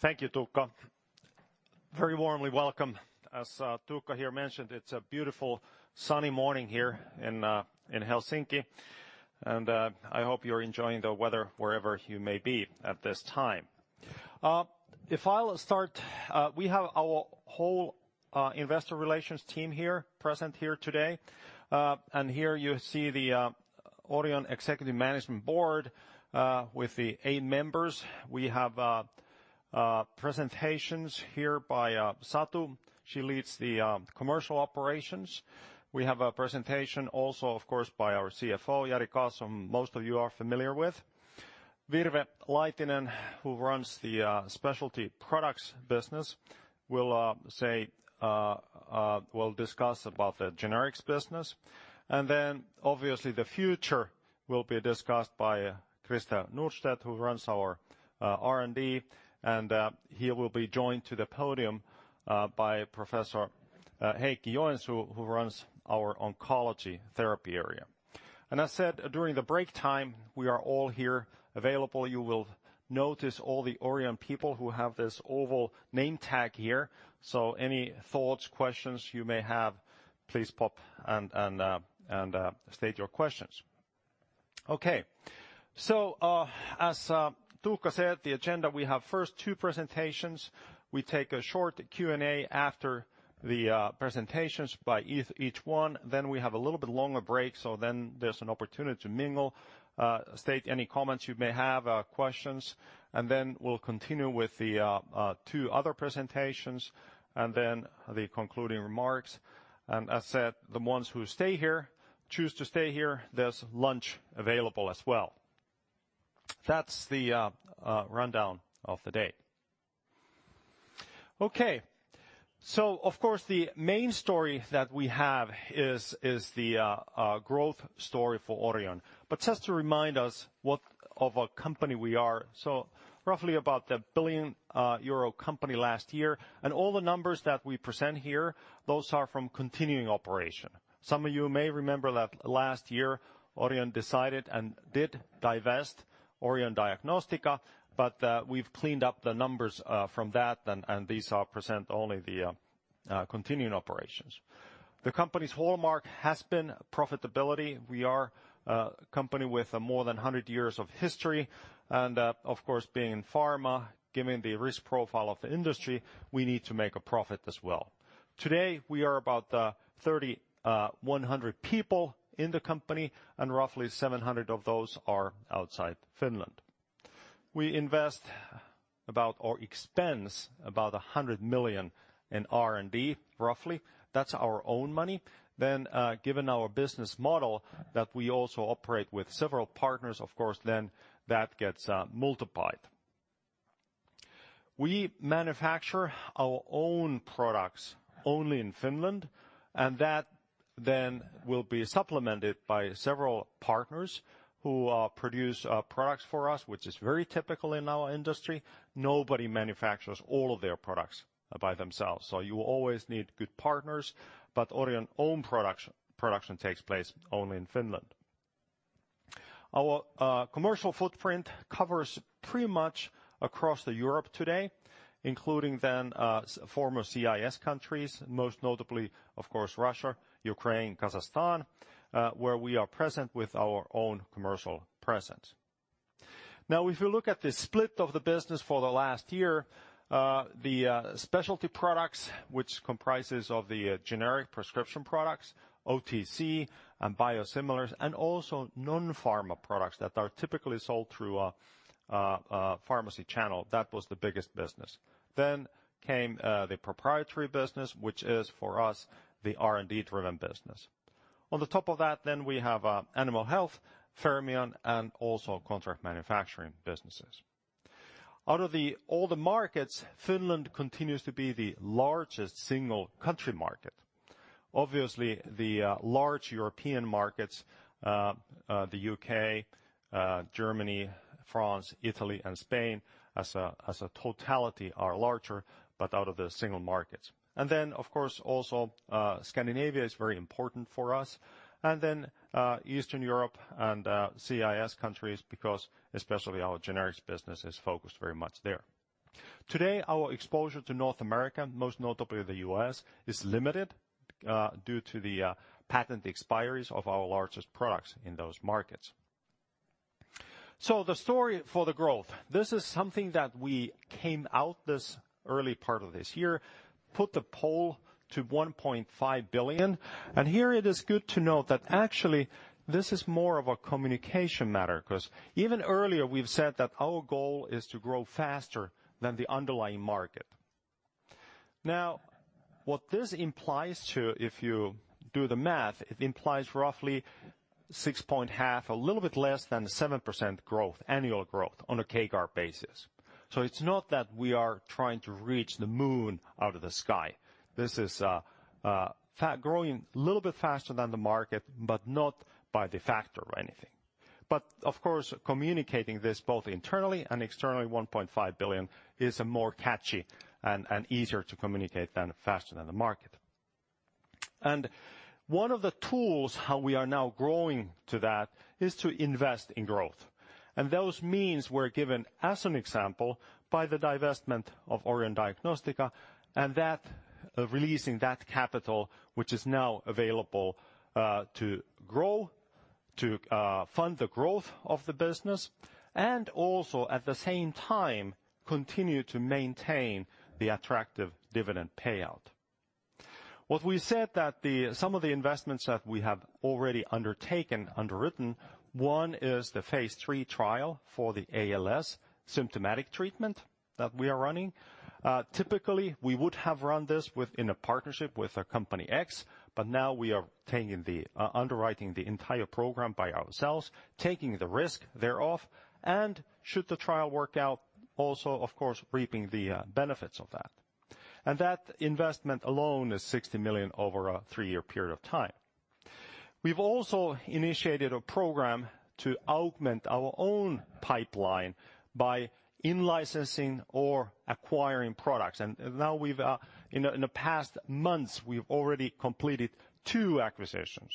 Thank you, Tuukka. Very warmly welcome. As Tuukka here mentioned, it's a beautiful, sunny morning here in Helsinki, and I hope you're enjoying the weather wherever you may be at this time. If I'll start, we have our whole investor relations team present here today. Here you see the Orion executive management board with the eight members. We have presentations here by Satu. She leads the commercial operations. We have a presentation also, of course, by our CFO, Jari Karlson, who most of you are familiar with. Virve Laitinen, who runs the specialty products business, will discuss about the generics business. Obviously the future will be discussed by Christer Nordstedt, who runs our R&D, and he will be joined to the podium by Professor Heikki Joensuu, who runs our oncology therapy area. As said, during the break time, we are all here available. You will notice all the Orion people who have this oval name tag here. Any thoughts, questions you may have, please pop and state your questions. Okay. As Tuukka said, the agenda, we have first two presentations. We take a short Q&A after the presentations by each one, then we have a little bit longer break, so then there's an opportunity to mingle, state any comments you may have, questions, we'll continue with the two other presentations and then the concluding remarks. As said, the ones who choose to stay here, there's lunch available as well. That's the rundown of the day. Okay. Of course, the main story that we have is the growth story for Orion. Just to remind us what of a company we are, roughly about a 1 billion euro company last year. All the numbers that we present here, those are from continuing operation. Some of you may remember that last year Orion decided and did divest Orion Diagnostica, we've cleaned up the numbers from that, and these present only the continuing operations. The company's hallmark has been profitability. We are a company with more than 100 years of history, and of course, being in pharma, given the risk profile of the industry, we need to make a profit as well. Today, we are about 3,100 people in the company, and roughly 700 of those are outside Finland. We invest about, or expense about 100 million in R&D, roughly. That's our own money. Given our business model that we also operate with several partners, of course, then that gets multiplied. We manufacture our own products only in Finland, that then will be supplemented by several partners who produce products for us, which is very typical in our industry. Nobody manufactures all of their products by themselves. You will always need good partners, but Orion own production takes place only in Finland. Our commercial footprint covers pretty much across the Europe today, including then former CIS countries, most notably, of course, Russia, Ukraine, Kazakhstan, where we are present with our own commercial presence. If you look at the split of the business for the last year, the specialty products, which comprises of the generic prescription products, OTC and biosimilars, and also non-pharma products that are typically sold through a pharmacy channel, that was the biggest business. Came the proprietary business, which is for us the R&D-driven business. On top of that, we have Animal Health, Fermion, and also contract manufacturing businesses. Out of all the markets, Finland continues to be the largest single country market. Obviously, the large European markets, the U.K., Germany, France, Italy, and Spain, as a totality are larger, but out of the single markets. Of course, also Scandinavia is very important for us. Eastern Europe and CIS countries, because especially our generics business is focused very much there. Today, our exposure to North America, most notably the U.S., is limited due to the patent expiries of our largest products in those markets. The story for the growth, this is something that we came out this early part of this year, put the goal to 1.5 billion. Here it is good to note that actually this is more of a communication matter because even earlier we've said that our goal is to grow faster than the underlying market. What this implies to, if you do the math, it implies roughly 6.5%, a little bit less than 7% annual growth on a CAGR basis. It's not that we are trying to reach the moon out of the sky. This is growing a little bit faster than the market, but not by the factor or anything. Of course, communicating this both internally and externally, 1.5 billion is a more catchy and easier to communicate than faster than the market. One of the tools how we are now growing to that is to invest in growth. Those means were given as an example by the divestment of Orion Diagnostica and releasing that capital, which is now available to grow, to fund the growth of the business, and also at the same time continue to maintain the attractive dividend payout. What we said that some of the investments that we have already undertaken, underwritten, one is the phase III trial for the ALS symptomatic treatment that we are running. Typically, we would have run this within a partnership with a company X, but now we are underwriting the entire program by ourselves, taking the risk thereof, and should the trial work out, also, of course, reaping the benefits of that. That investment alone is 60 million over a three-year period of time. We've also initiated a program to augment our own pipeline by in-licensing or acquiring products. Now in the past months, we've already completed two acquisitions.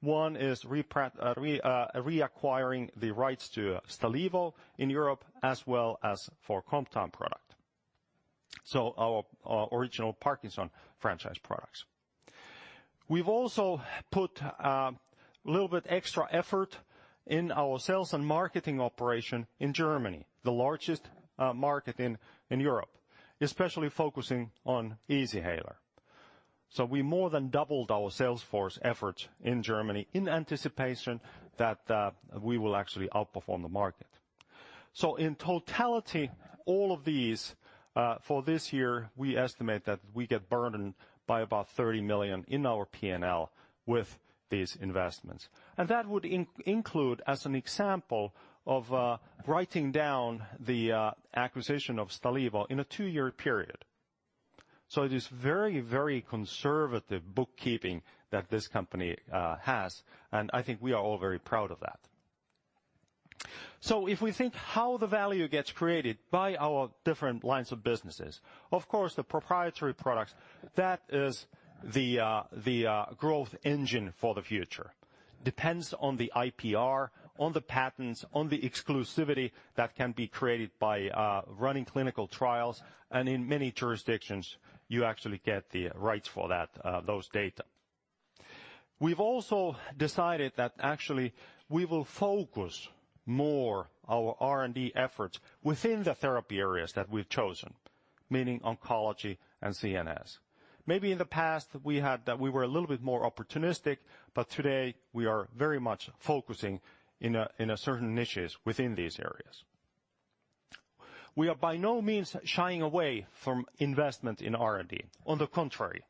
One is reacquiring the rights to Stalevo in Europe as well as for Comtan product. Our original Parkinson franchise products. We've also put a little bit extra effort in our sales and marketing operation in Germany, the largest market in Europe, especially focusing on Easyhaler. We more than doubled our sales force efforts in Germany in anticipation that we will actually outperform the market. In totality, all of these, for this year, we estimate that we get burdened by about 30 million in our P&L with these investments. That would include, as an example, of writing down the acquisition of Stalevo in a two-year period. It is very conservative bookkeeping that this company has, and I think we are all very proud of that. If we think how the value gets created by our different lines of businesses, of course, the proprietary products, that is the growth engine for the future, depends on the IPR, on the patents, on the exclusivity that can be created by running clinical trials, and in many jurisdictions, you actually get the rights for those data. We've also decided that actually we will focus more our R&D efforts within the therapy areas that we've chosen, meaning oncology and CNS. Maybe in the past, we were a little bit more opportunistic, but today we are very much focusing in certain niches within these areas. We are by no means shying away from investment in R&D. On the contrary,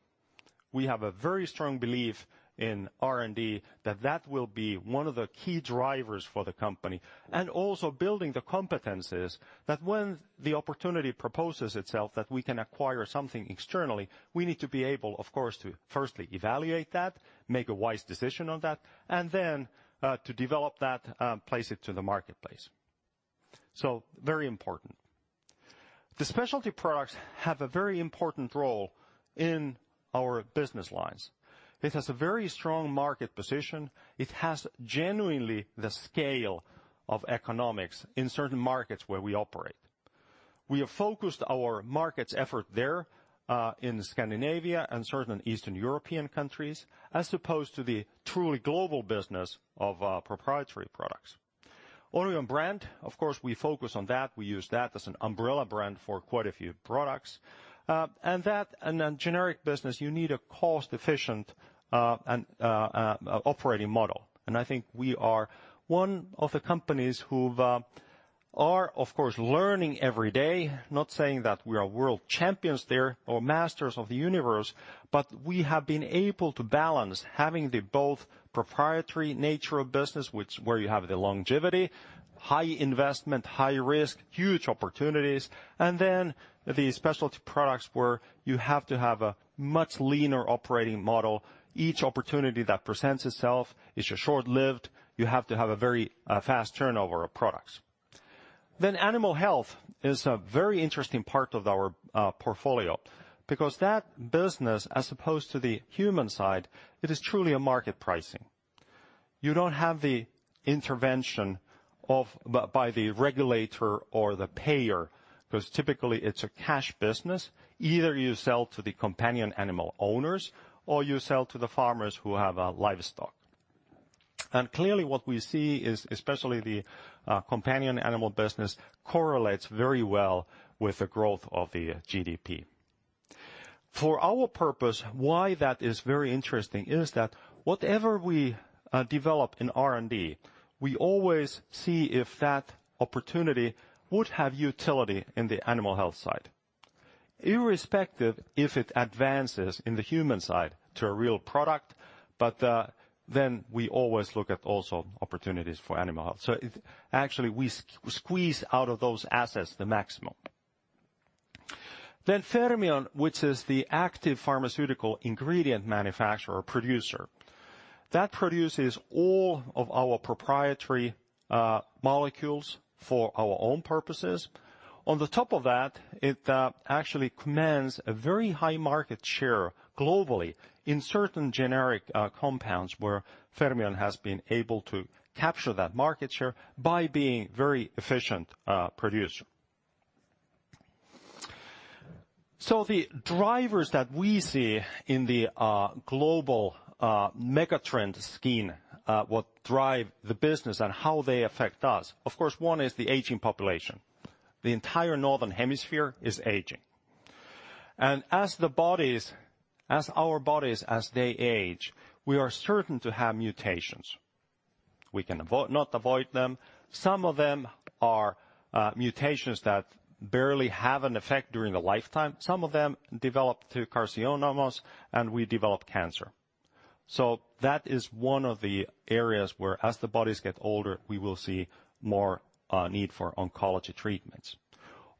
we have a very strong belief in R&D that will be one of the key drivers for the company. Also building the competencies that when the opportunity proposes itself that we can acquire something externally, we need to be able, of course, to firstly evaluate that, make a wise decision on that, and then to develop that, place it to the marketplace. Very important. The specialty products have a very important role in our business lines. It has a very strong market position. It has genuinely the scale of economics in certain markets where we operate. We have focused our markets effort there in Scandinavia and certain Eastern European countries, as opposed to the truly global business of our proprietary products. Orion brand, of course, we focus on that. We use that as an umbrella brand for quite a few products. That and then generic business, you need a cost-efficient operating model. I think we are one of the companies who are, of course, learning every day, not saying that we are world champions there or masters of the universe, but we have been able to balance having the both proprietary nature of business, where you have the longevity, high investment, high risk, huge opportunities, and then the specialty products where you have to have a much leaner operating model. Each opportunity that presents itself is short-lived. You have to have a very fast turnover of products. Animal Health is a very interesting part of our portfolio because that business, as opposed to the human side, it is truly a market pricing. You don't have the intervention by the regulator or the payer, because typically it's a cash business. Either you sell to the companion animal owners or you sell to the farmers who have livestock. Clearly what we see is especially the companion Animal Health business correlates very well with the growth of the GDP. For our purpose, why that is very interesting is that whatever we develop in R&D, we always see if that opportunity would have utility in the Animal Health side. Irrespective if it advances in the human side to a real product, but then we always look at also opportunities for Animal Health. Actually we squeeze out of those assets the maximum. Fermion, which is the active pharmaceutical ingredient manufacturer or producer. That produces all of our proprietary molecules for our own purposes. On top of that, it actually commands a very high market share globally in certain generic compounds where Fermion has been able to capture that market share by being a very efficient producer. The drivers that we see in the global megatrend scheme, what drive the business and how they affect us, of course, one is the aging population. The entire northern hemisphere is aging. As our bodies, as they age, we are certain to have mutations. We cannot avoid them. Some of them are mutations that barely have an effect during the lifetime. Some of them develop through carcinomas, and we develop cancer. That is one of the areas where as the bodies get older, we will see more need for oncology treatments.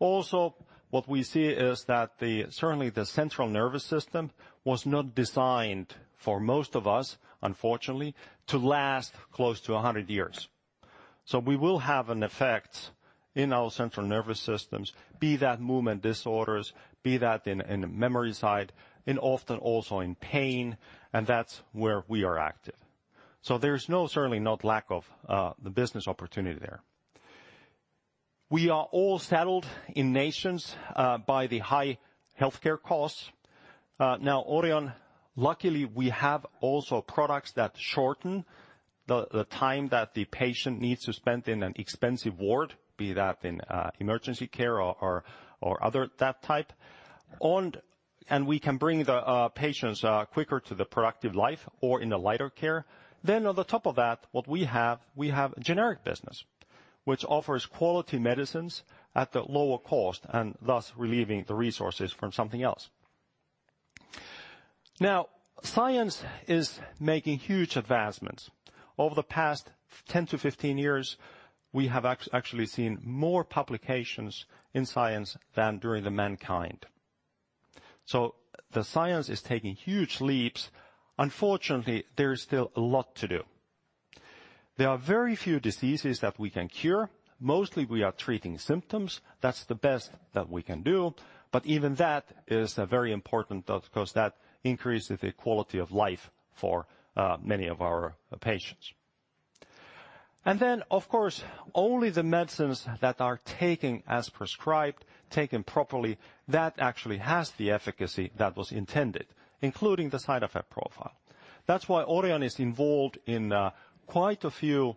Also, what we see is that certainly the central nervous system was not designed for most of us, unfortunately, to last close to 100 years. We will have an effect in our central nervous systems, be that movement disorders, be that in the memory side, and often also in pain, and that's where we are active. There's certainly no lack of the business opportunity there. We are all saddled in nations by the high healthcare costs. Orion, luckily, we have also products that shorten the time that the patient needs to spend in an expensive ward, be that in emergency care or other type. We can bring the patients quicker to the productive life or in a lighter care. On top of that, what we have, we have a generic business, which offers quality medicines at the lower cost and thus relieving the resources from something else. Science is making huge advancements. Over the past 10 to 15 years, we have actually seen more publications in science than during the mankind. The science is taking huge leaps. Unfortunately, there is still a lot to do. There are very few diseases that we can cure. Mostly, we are treating symptoms. That's the best that we can do. But even that is very important because that increases the quality of life for many of our patients. Of course, only the medicines that are taken as prescribed, taken properly, that actually has the efficacy that was intended, including the side effect profile. That's why Orion is involved in quite a few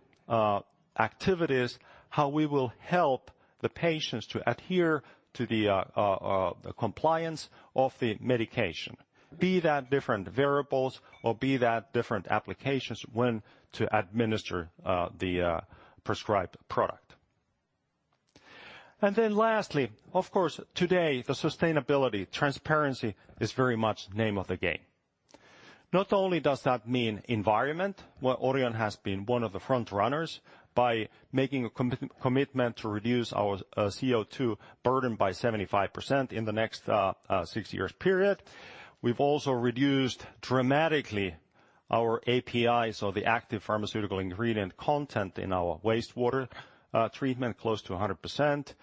activities, how we will help the patients to adhere to the compliance of the medication, be that different wearables or be that different applications when to administer the prescribed product. Lastly, of course, today, the sustainability, transparency is very much name of the game. Not only does that mean environment, where Orion has been one of the front runners by making a commitment to reduce our CO2 burden by 75% in the next six years period. We've also reduced dramatically our API, so the active pharmaceutical ingredient content in our wastewater treatment, close to 100%.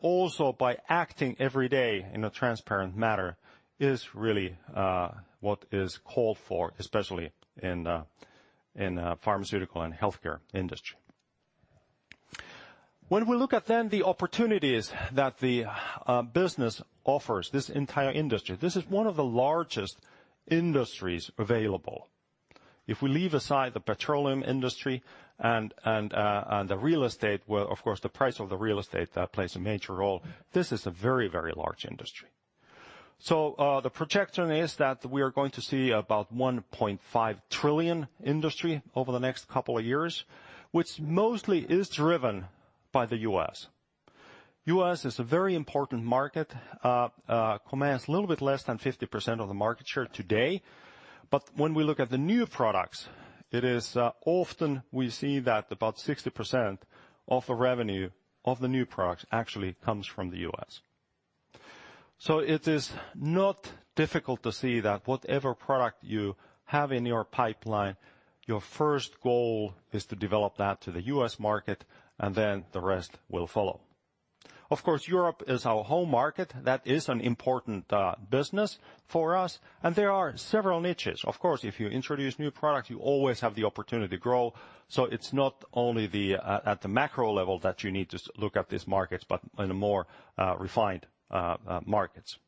Also by acting every day in a transparent manner is really what is called for, especially in the pharmaceutical and healthcare industry. When we look at then the opportunities that the business offers, this entire industry, this is one of the largest industries available. If we leave aside the petroleum industry and the real estate, where, of course, the price of the real estate plays a major role, this is a very, very large industry. The projection is that we are going to see about 1.5 trillion industry over the next couple of years, which mostly is driven by the U.S. U.S. is a very important market, commands a little bit less than 50% of the market share today. When we look at the new products, it is often we see that about 60% of the revenue of the new products actually comes from the U.S. It is not difficult to see that whatever product you have in your pipeline, your first goal is to develop that to the U.S. market, and then the rest will follow. Of course, Europe is our home market. That is an important business for us, and there are several niches. Of course, if you introduce new products, you always have the opportunity to grow. It's not only at the macro level that you need to look at these markets, but in a more refined markets.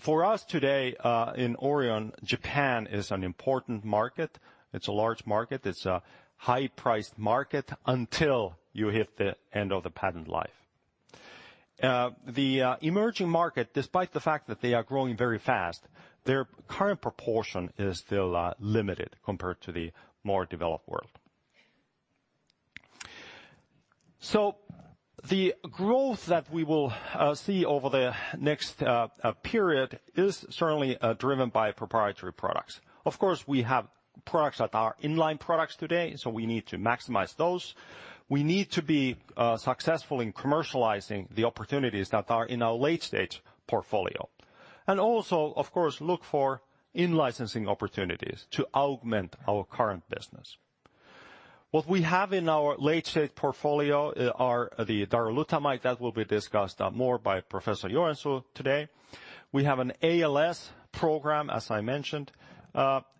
For us today in Orion, Japan is an important market. It's a large market. It's a high-priced market until you hit the end of the patent life. The emerging market, despite the fact that they are growing very fast, their current proportion is still limited compared to the more developed world. The growth that we will see over the next period is certainly driven by proprietary products. Of course, we have products that are in-line products today, so we need to maximize those. We need to be successful in commercializing the opportunities that are in our late-stage portfolio. Also, of course, look for in-licensing opportunities to augment our current business. What we have in our late-stage portfolio are the darolutamide, that will be discussed more by Professor Heikki Joensuu today. We have an ALS program, as I mentioned,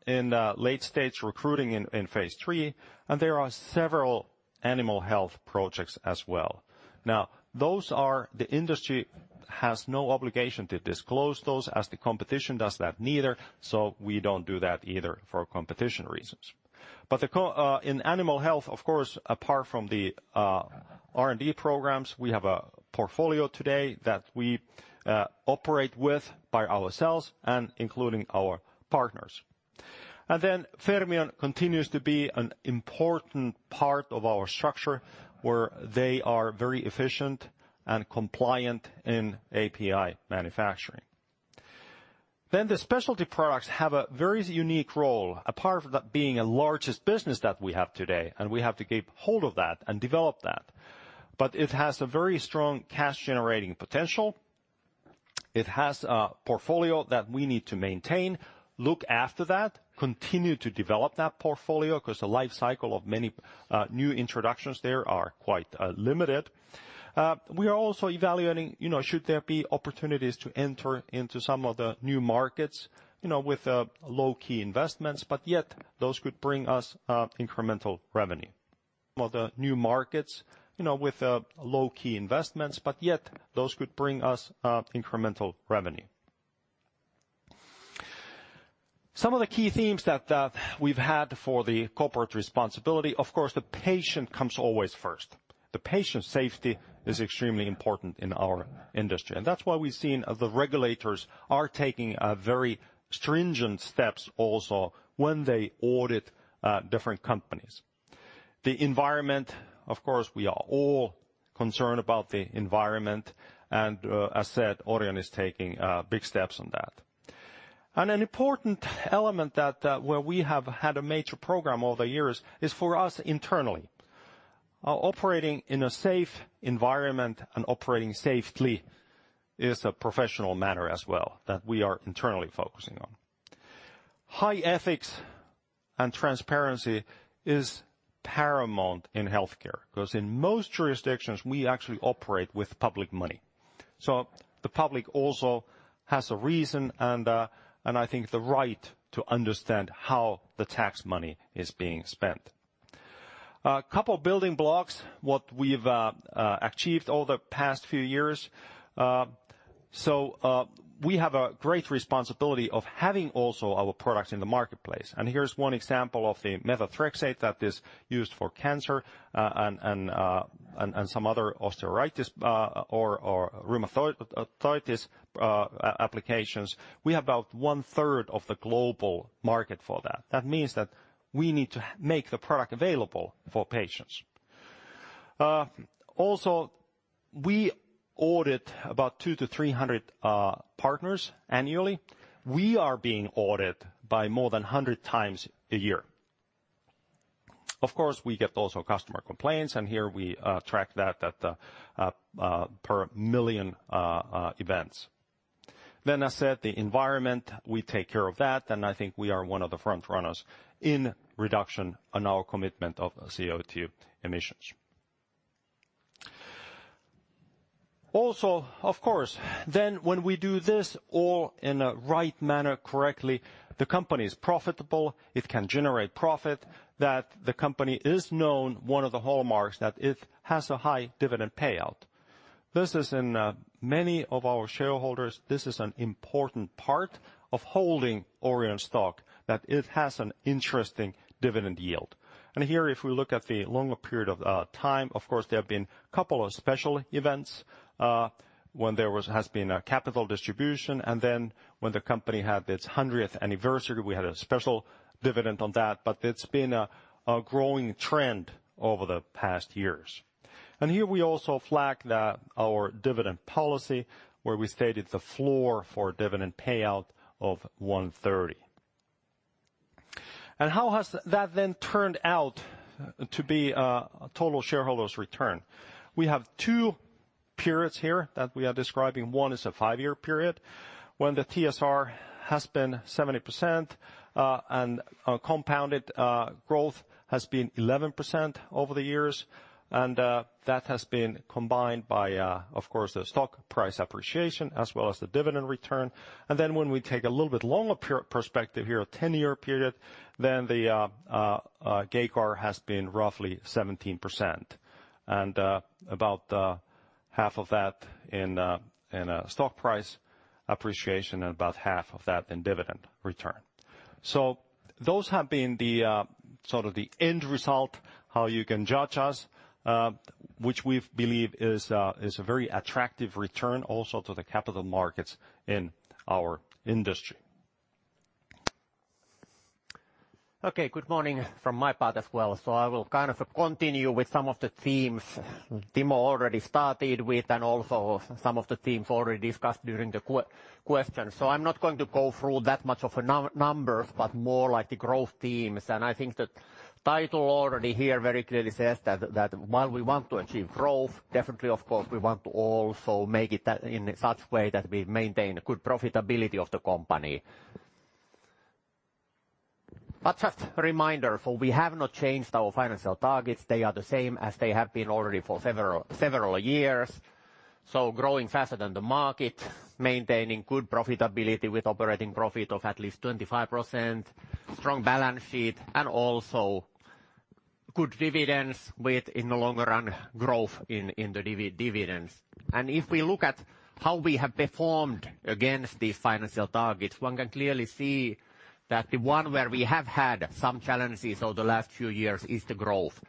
in late stage recruiting in phase III, and there are several animal health projects as well. The industry has no obligation to disclose those as the competition does that neither, so we don't do that either for competition reasons. In animal health, of course, apart from the R&D programs, we have a portfolio today that we operate with by ourselves and including our partners. Fermion continues to be an important part of our structure where they are very efficient and compliant in API manufacturing. The specialty products have a very unique role. Apart from that being the largest business that we have today, and we have to keep hold of that and develop that. It has a very strong cash-generating potential. It has a portfolio that we need to maintain, look after that, continue to develop that portfolio, because the life cycle of many new introductions there are quite limited. We are also evaluating should there be opportunities to enter into some of the new markets, with low-key investments, but yet those could bring us incremental revenue. Of the new markets with low-key investments, but yet those could bring us incremental revenue. Some of the key themes that we've had for the corporate responsibility, of course, the patient comes always first. The patient's safety is extremely important in our industry, and that's why we've seen the regulators are taking very stringent steps also when they audit different companies. The environment, of course, we are all concerned about the environment, as said, Orion is taking big steps on that. An important element that where we have had a major program over the years is for us internally. Operating in a safe environment and operating safely is a professional manner as well that we are internally focusing on. High ethics and transparency is paramount in healthcare because in most jurisdictions, we actually operate with public money. The public also has a reason and I think the right to understand how the tax money is being spent. A couple building blocks, what we've achieved over the past few years. We have a great responsibility of having also our products in the marketplace, and here's one example of the methotrexate that is used for cancer and some other osteoarthritis applications. We have about one-third of the global market for that. That means that we need to make the product available for patients. We audit about 200 to 300 partners annually. We are being audited by more than 100 times a year. We get also customer complaints, and here we track that per million events. I said the environment, we take care of that, and I think we are one of the front runners in reduction on our commitment of CO2 emissions. When we do this all in a right manner correctly, the company is profitable, it can generate profit, that the company is known one of the hallmarks that it has a high dividend payout. This is in many of our shareholders, this is an important part of holding Orion stock, that it has an interesting dividend yield. Here, if we look at the longer period of time, of course, there have been a couple of special events, when there has been a capital distribution, then when the company had its 100th anniversary, we had a special dividend on that, but it's been a growing trend over the past years. Here we also flag our dividend policy, where we stated the floor for dividend payout of 130. How has that then turned out to be a total shareholders return? We have two periods here that we are describing. One is a five-year period when the TSR has been 70%, and compounded growth has been 11% over the years. That has been combined by, of course, the stock price appreciation as well as the dividend return. When we take a little bit longer perspective here, a 10-year period, the CAGR has been roughly 17%, and about half of that in a stock price appreciation and about half of that in dividend return. Those have been the end result, how you can judge us, which we believe is a very attractive return also to the capital markets in our industry. Good morning from my part as well. I will continue with some of the themes Timo already started with and also some of the themes already discussed during the questions. I'm not going to go through that much of numbers, but more like the growth themes. I think the title already here very clearly says that while we want to achieve growth, definitely, of course, we want to also make it in such way that we maintain good profitability of the company. Just a reminder, we have not changed our financial targets. They are the same as they have been already for several years. Growing faster than the market, maintaining good profitability with operating profit of at least 25%, strong balance sheet, and also good dividends with, in the longer run, growth in the dividends. If we look at how we have performed against these financial targets, one can clearly see that the one where we have had some challenges over the last few years is the growth.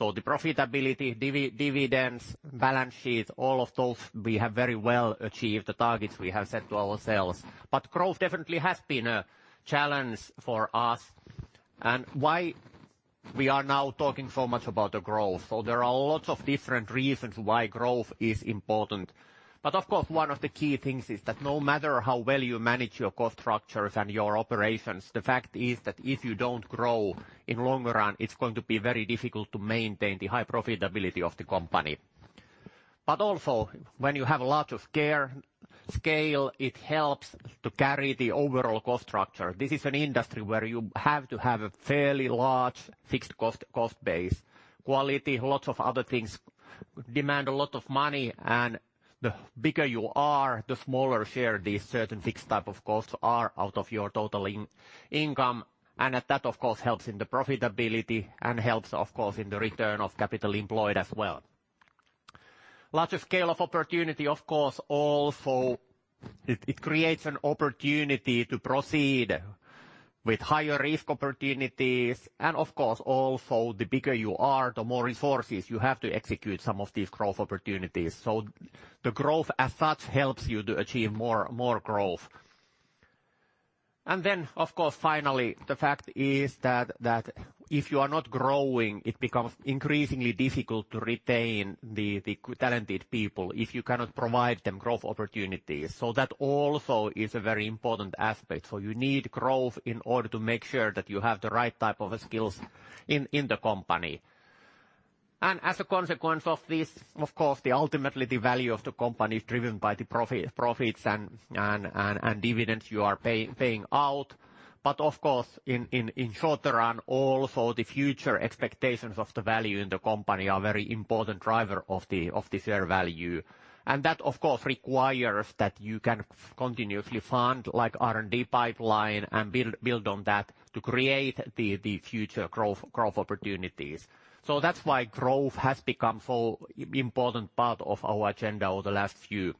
The profitability, dividends, balance sheet, all of those, we have very well achieved the targets we have set to ourselves. Growth definitely has been a challenge for us and why we are now talking so much about the growth. There are lots of different reasons why growth is important. Of course, one of the key things is that no matter how well you manage your cost structures and your operations, the fact is that if you don't grow in longer run, it's going to be very difficult to maintain the high profitability of the company. Also when you have a larger scale, it helps to carry the overall cost structure. This is an industry where you have to have a fairly large fixed cost base. Quality, lots of other things demand a lot of money, and the bigger you are, the smaller share these certain fixed type of costs are out of your total income. That, of course, helps in the profitability and helps, of course, in the return of capital employed as well. Larger scale of opportunity, of course, also it creates an opportunity to proceed with higher risk opportunities. Of course, also the bigger you are, the more resources you have to execute some of these growth opportunities. The growth as such helps you to achieve more growth. Then, of course, finally, the fact is that if you are not growing, it becomes increasingly difficult to retain the talented people if you cannot provide them growth opportunities. That also is a very important aspect. You need growth in order to make sure that you have the right type of skills in the company. As a consequence of this, of course, ultimately the value of the company is driven by the profits and dividends you are paying out. Of course, in short run, also the future expectations of the value in the company are very important driver of the share value. That, of course, requires that you can continuously fund R&D pipeline and build on that to create the future growth opportunities. That's why growth has become so important part of our agenda over the last few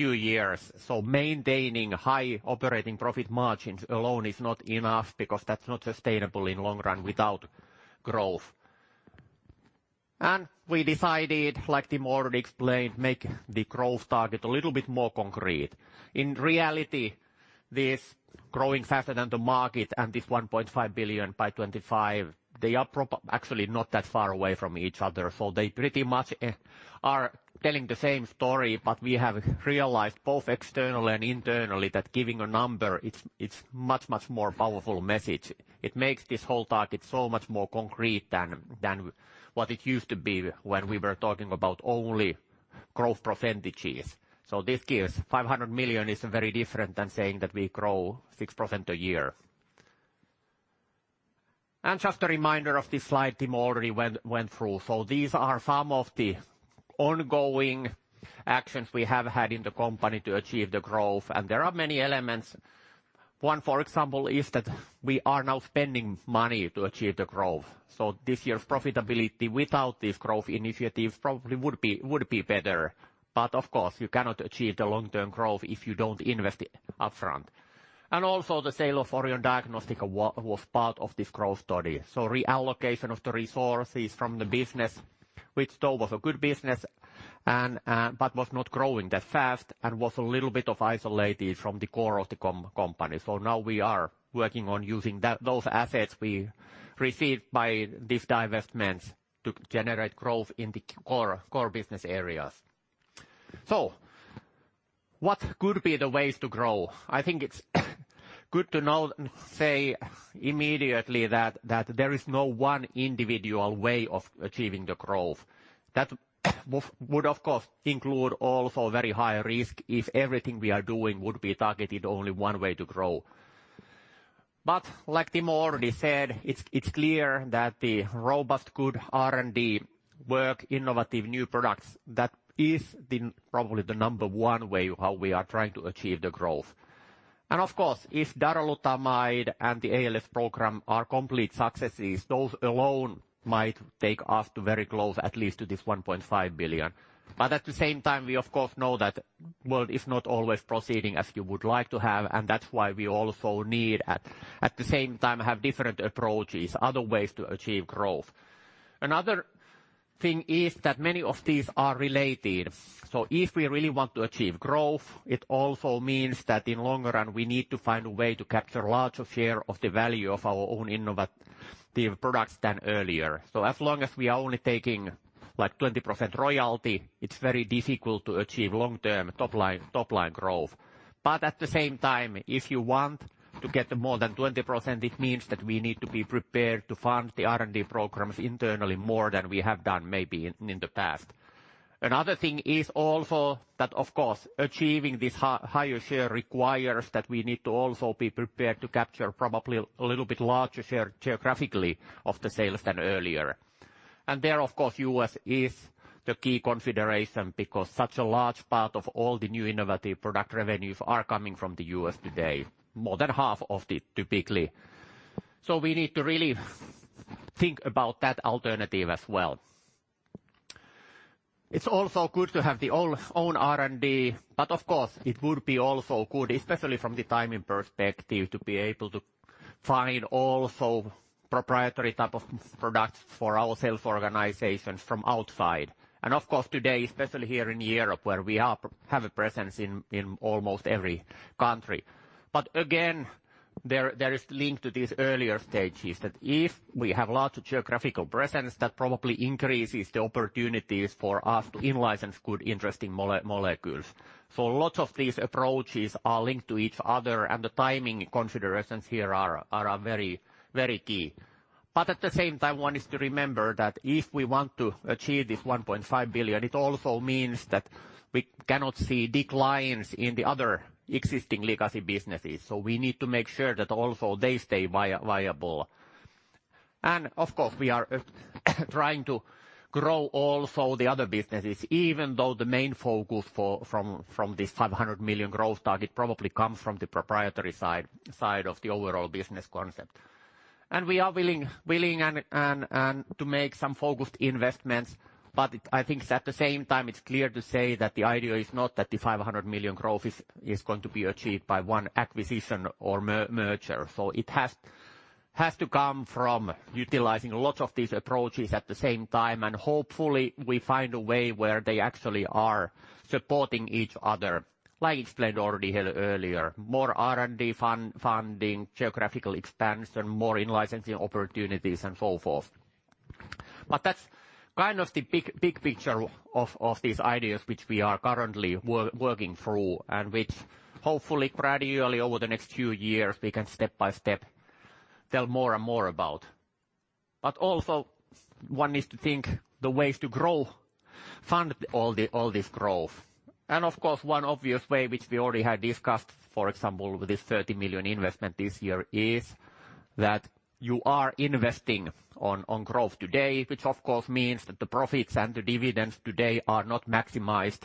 years. Maintaining high operating profit margins alone is not enough because that's not sustainable in long run without growth. We decided, like Timo already explained, make the growth target a little bit more concrete. In reality, this growing faster than the market and this 1.5 billion by 2025, they are actually not that far away from each other, so they pretty much are telling the same story. We have realized both externally and internally that giving a number, it's much more powerful message. It makes this whole target so much more concrete than what it used to be when we were talking about only growth percentages. This gives 500 million is very different than saying that we grow 6% a year. Just a reminder of this slide Timo already went through. These are some of the ongoing actions we have had in the company to achieve the growth. There are many elements. One, for example, is that we are now spending money to achieve the growth. This year's profitability without this growth initiative probably would be better. Of course, you cannot achieve the long-term growth if you don't invest upfront. Also the sale of Orion Diagnostica was part of this growth story. Reallocation of the resources from the business, which still was a good business, but was not growing that fast and was a little bit of isolated from the core of the company. Now we are working on using those assets we received by these divestments to generate growth in the core business areas. What could be the ways to grow? I think it's good to now say immediately that there is no one individual way of achieving the growth. That would of course include also very high risk if everything we are doing would be targeted only one way to grow. Like Timo already said, it's clear that the robust, good R&D work, innovative new products, that is probably the number one way how we are trying to achieve the growth. Of course, if darolutamide and the ALS program are complete successes, those alone might take us to very close, at least to this 1.5 billion. At the same time, we of course know that world is not always proceeding as you would like to have, and that's why we also need, at the same time, have different approaches, other ways to achieve growth. Another thing is that many of these are related. If we really want to achieve growth, it also means that in longer run, we need to find a way to capture larger share of the value of our own innovative products than earlier. As long as we are only taking 20% royalty, it's very difficult to achieve long-term top line growth. At the same time, if you want to get more than 20%, it means that we need to be prepared to fund the R&D programs internally more than we have done maybe in the past. Another thing is also that, of course, achieving this higher share requires that we need to also be prepared to capture probably a little bit larger share geographically of the sales than earlier. There, of course, U.S. is the key consideration because such a large part of all the new innovative product revenues are coming from the U.S. today, more than half of it, typically. We need to really think about that alternative as well. It's also good to have the own R&D, but of course, it would be also good, especially from the timing perspective, to be able to find also proprietary type of products for our sales organizations from outside. Of course today, especially here in Europe, where we have a presence in almost every country. Again, there is link to these earlier stages that if we have large geographical presence, that probably increases the opportunities for us to in-license good interesting molecules. A lot of these approaches are linked to each other and the timing considerations here are very key. At the same time, one is to remember that if we want to achieve this 1.5 billion, it also means that we cannot see declines in the other existing legacy businesses. We need to make sure that also they stay viable. Of course, we are trying to grow also the other businesses, even though the main focus from this 500 million growth target probably comes from the proprietary side of the overall business concept. We are willing to make some focused investments, but I think at the same time, it's clear to say that the idea is not that the 500 million growth is going to be achieved by one acquisition or merger. It has to come from utilizing lots of these approaches at the same time, and hopefully we find a way where they actually are supporting each other. Like explained already earlier, more R&D funding, geographical expansion, more in-licensing opportunities and so forth. That's kind of the big picture of these ideas, which we are currently working through and which hopefully gradually over the next few years, we can step by step tell more and more about. Also one needs to think the ways to fund all this growth. Of course, one obvious way which we already had discussed, for example, with this 30 million investment this year is that you are investing on growth today, which of course means that the profits and the dividends today are not maximized,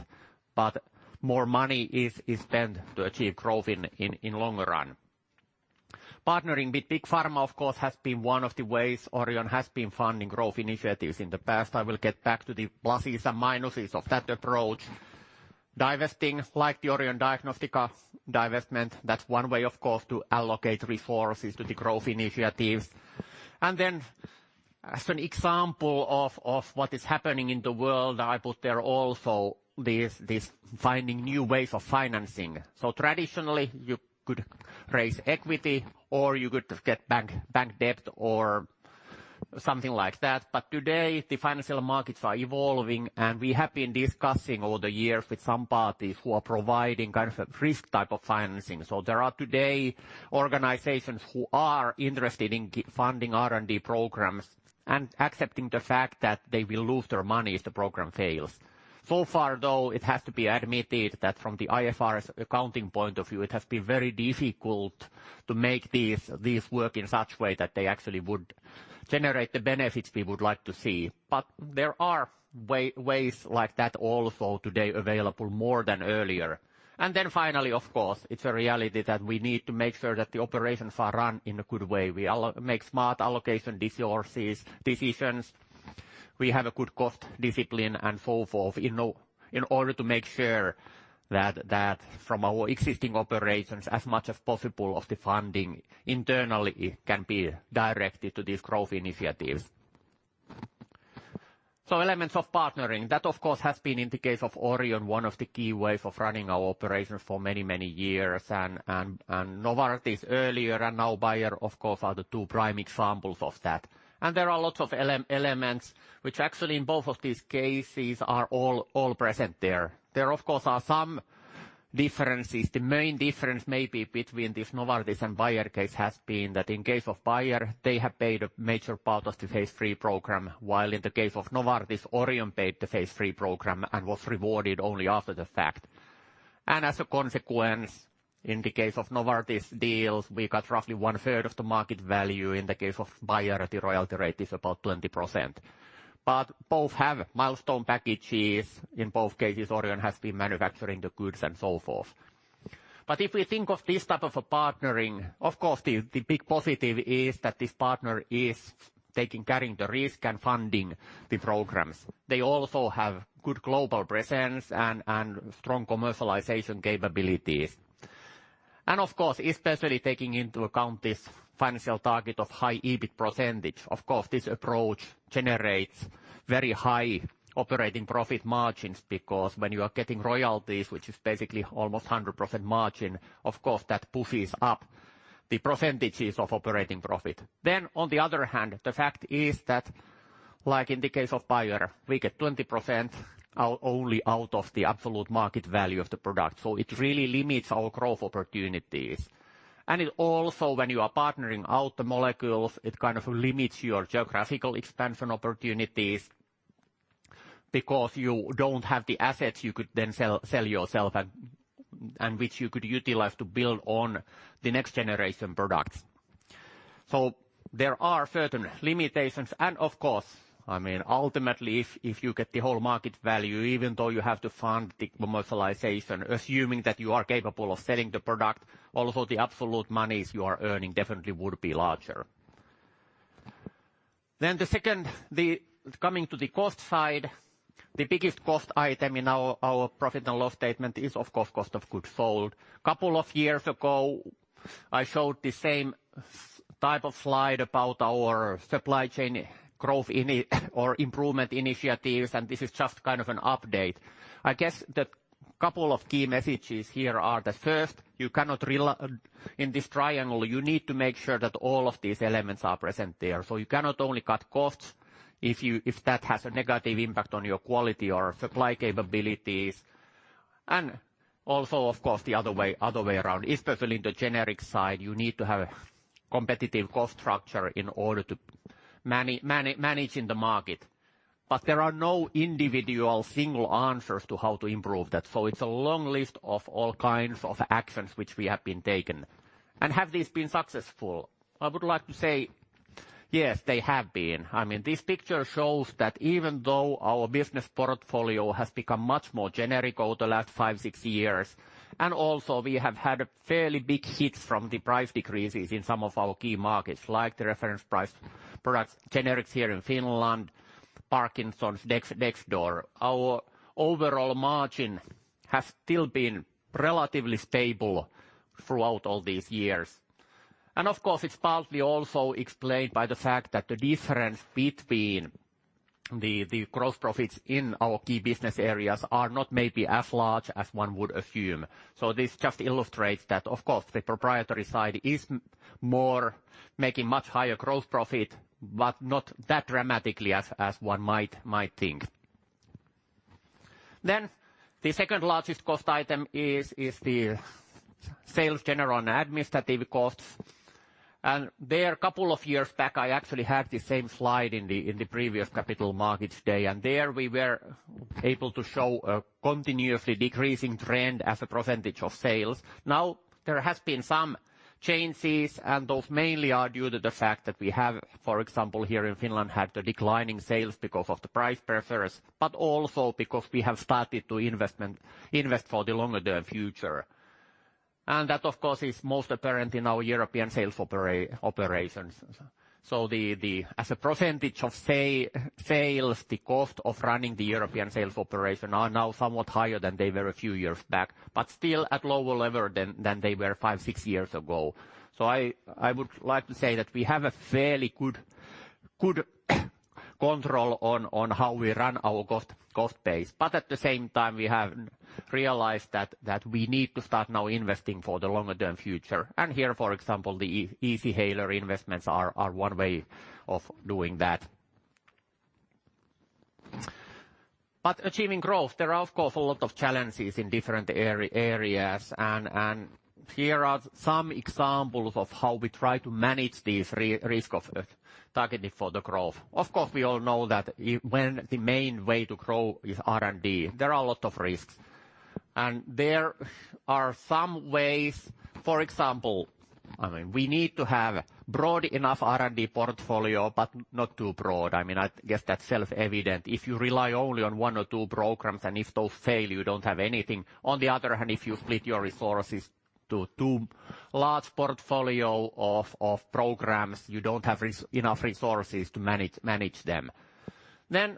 but more money is spent to achieve growth in longer run. Partnering with big pharma, of course, has been one of the ways Orion has been funding growth initiatives in the past. I will get back to the plusses and minuses of that approach. Divesting like the Orion Diagnostica divestment, that's one way, of course, to allocate resources to the growth initiatives. Then as an example of what is happening in the world, I put there also this finding new ways of financing. Traditionally you could raise equity or you could get bank debt or something like that, but today the financial markets are evolving and we have been discussing over the years with some parties who are providing kind of a risk type of financing. There are today organizations who are interested in funding R&D programs and accepting the fact that they will lose their money if the program fails. Far, though, it has to be admitted that from the IFRS accounting point of view, it has been very difficult to make these work in such way that they actually would generate the benefits we would like to see. There are ways like that also today available more than earlier. Finally, of course, it's a reality that we need to make sure that the operations are run in a good way. We make smart allocation decisions, we have a good cost discipline and so forth in order to make sure that from our existing operations, as much as possible of the funding internally can be directed to these growth initiatives. Elements of partnering. That of course has been in the case of Orion, one of the key ways of running our operations for many, many years and Novartis earlier and now Bayer of course are the two prime examples of that. There are lots of elements which actually in both of these cases are all present there. There of course are some differences. The main difference maybe between this Novartis and Bayer case has been that in case of Bayer, they have paid a major part of the phase III program, while in the case of Novartis, Orion paid the phase III program and was rewarded only after the fact. As a consequence, in the case of Novartis deals, we got roughly one third of the market value. In the case of Bayer, the royalty rate is about 20%. Both have milestone packages. In both cases, Orion has been manufacturing the goods and so forth. If we think of this type of a partnering, of course the big positive is that this partner is carrying the risk and funding the programs. They also have good global presence and strong commercialization capabilities. Of course, especially taking into account this financial target of high EBIT percentage, of course, this approach generates very high operating profit margins because when you are getting royalties, which is basically almost 100% margin, of course that pushes up the percentages of operating profit. On the other hand, the fact is that like in the case of Bayer, we get 20% only out of the absolute market value of the product. It really limits our growth opportunities. And it also when you are partnering out the molecules, it kind of limits your geographical expansion opportunities because you don't have the assets you could then sell yourself and which you could utilize to build on the next generation products. There are certain limitations and, of course, ultimately, if you get the whole market value, even though you have to fund the commercialization, assuming that you are capable of selling the product, also the absolute monies you are earning definitely would be larger. The second, coming to the cost side, the biggest cost item in our profit and loss statement is, of course, cost of goods sold. Couple of years ago, I showed the same type of slide about our supply chain growth or improvement initiatives, and this is just kind of an update. I guess the couple of key messages here are that first, in this triangle, you need to make sure that all of these elements are present there. You cannot only cut costs if that has a negative impact on your quality or supply capabilities. Also, of course, the other way around, especially in the generic side, you need to have competitive cost structure in order to manage in the market. There are no individual single answers to how to improve that. It's a long list of all kinds of actions which we have been taken. Have these been successful? I would like to say yes, they have been. This picture shows that even though our business portfolio has become much more generic over the last five, six years, and also we have had a fairly big hit from the price decreases in some of our key markets, like the reference price products, generics here in Finland, Parkinson's Dexdor. Our overall margin has still been relatively stable throughout all these years. Of course, it's partly also explained by the fact that the difference between the growth profits in our key business areas are not maybe as large as one would assume. This just illustrates that, of course, the proprietary side is making much higher growth profit, but not that dramatically as one might think. The second largest cost item is the sales general and administrative costs. There couple of years back, I actually had the same slide in the previous capital markets day, and there we were able to show a continuously decreasing trend as a percentage of sales. Now there has been some changes, and those mainly are due to the fact that we have, for example, here in Finland, had the declining sales because of the price preference, but also because we have started to invest for the longer-term future. That, of course, is most apparent in our European sales operations. As a percentage of sales, the cost of running the European sales operation are now somewhat higher than they were a few years back, but still at lower level than they were five, six years ago. I would like to say that we have a fairly good control on how we run our cost base. At the same time, we have realized that we need to start now investing for the longer-term future. Here, for example, the Easyhaler investments are one way of doing that. Achieving growth, there are, of course, a lot of challenges in different areas, and here are some examples of how we try to manage this risk of targeting for the growth. Of course, we all know that when the main way to grow is R&D, there are a lot of risks. There are some ways, for example, we need to have broad enough R&D portfolio, but not too broad. I guess that's self-evident. If you rely only on one or two programs, and if those fail, you don't have anything. On the other hand, if you split your resources to large portfolio of programs, you don't have enough resources to manage them.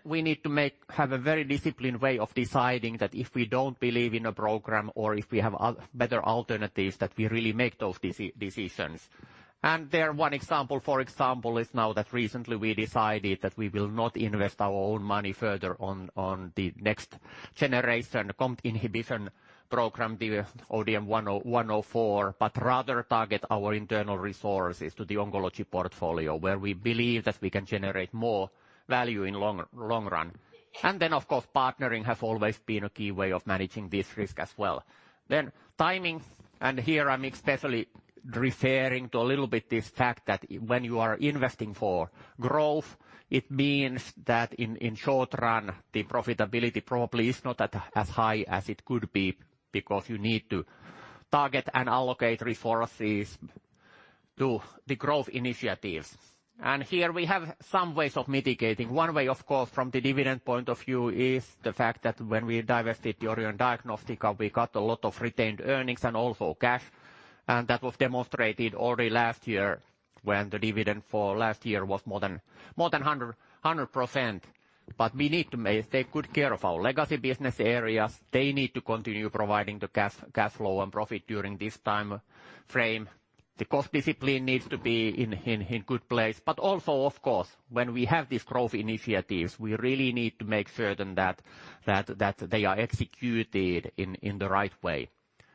We need to have a very disciplined way of deciding that if we don't believe in a program or if we have better alternatives, that we really make those decisions. There one example, for example, is now that recently we decided that we will not invest our own money further on the next generation COMT inhibition program, the ODM-104, but rather target our internal resources to the oncology portfolio, where we believe that we can generate more value in long run. Then, of course, partnering has always been a key way of managing this risk as well. Timing, and here I'm especially referring to a little bit this fact that when you are investing for growth, it means that in short run, the profitability probably is not as high as it could be because you need to target and allocate resources to the growth initiatives. Here we have some ways of mitigating. One way, of course, from the dividend point of view is the fact that when we divested the Orion Diagnostica, we got a lot of retained earnings and also cash, and that was demonstrated already last year when the dividend for last year was more than 100%. We need to take good care of our legacy business areas. They need to continue providing the cash flow and profit during this time frame. The cost discipline needs to be in good place. Also, of course, when we have these growth initiatives, we really need to make certain that they are executed in the right way.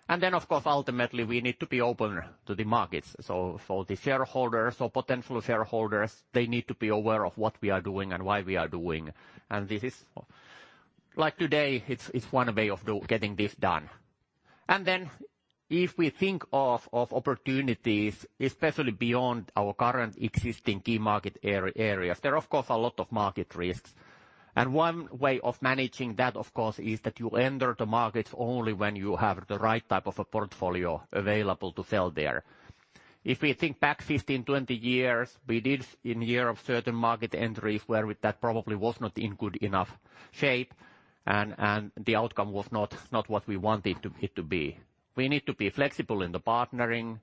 Then, of course, ultimately, we need to be open to the markets. For the shareholders or potential shareholders, they need to be aware of what we are doing and why we are doing. This is like today, it's one way of getting this done. If we think of opportunities, especially beyond our current existing key market areas, there are, of course, a lot of market risks. One way of managing that, of course, is that you enter the markets only when you have the right type of a portfolio available to sell there. If we think back 15, 20 years, we did in year of certain market entries where that probably was not in good enough shape and the outcome was not what we want it to be. We need to be flexible in the partnering.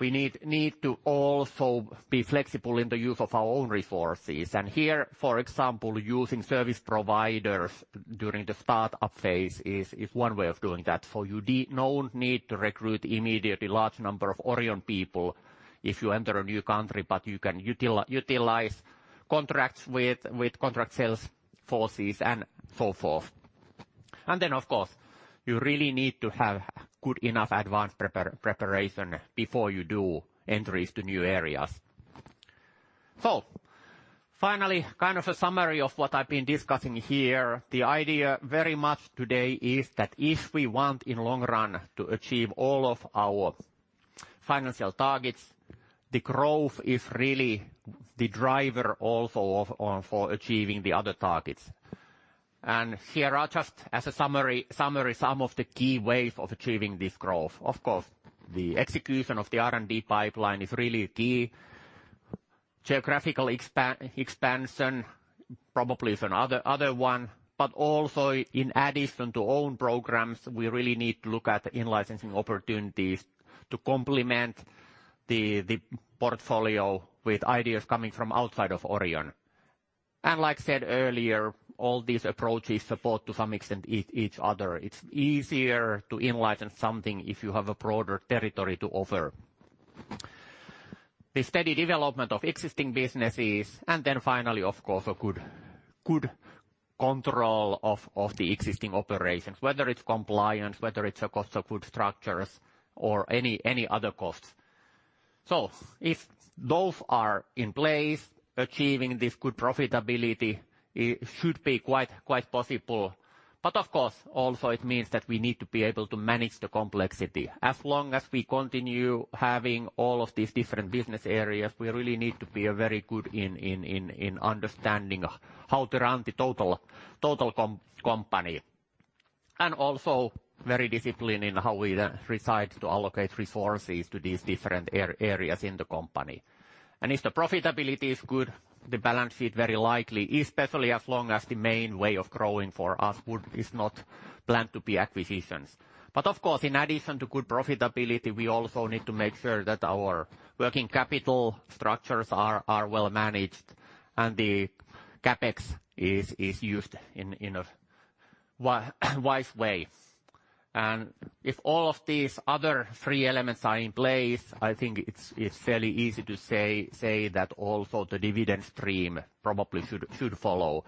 We need to also be flexible in the use of our own resources. Here, for example, using service providers during the startup phase is one way of doing that for you. No need to recruit immediately large number of Orion people if you enter a new country, but you can utilize contracts with contract sales forces and so forth. Then, of course, you really need to have good enough advanced preparation before you do entries to new areas. Finally, kind of a summary of what I've been discussing here. The idea very much today is that if we want in long run to achieve all of our financial targets, the growth is really the driver also for achieving the other targets. Here are just as a summary, some of the key ways of achieving this growth. Of course, the execution of the R&D pipeline is really key. Geographical expansion probably is another one, but also in addition to own programs, we really need to look at in-licensing opportunities to complement the portfolio with ideas coming from outside of Orion. Like I said earlier, all these approaches support to some extent each other. It's easier to in-license something if you have a broader territory to offer. The steady development of existing businesses, finally, of course, a good control of the existing operations, whether it's compliance, whether it's a cost of goods structures or any other costs. If those are in place, achieving this good profitability should be quite possible. Of course, also it means that we need to be able to manage the complexity. As long as we continue having all of these different business areas, we really need to be very good in understanding how to run the total company, and also very disciplined in how we decide to allocate resources to these different areas in the company. If the profitability is good, the balance sheet very likely, especially as long as the main way of growing for us is not planned to be acquisitions. Of course, in addition to good profitability, we also need to make sure that our working capital structures are well managed and the CapEx is used in a wise way. If all of these other three elements are in place, I think it's fairly easy to say that also the dividend stream probably should follow.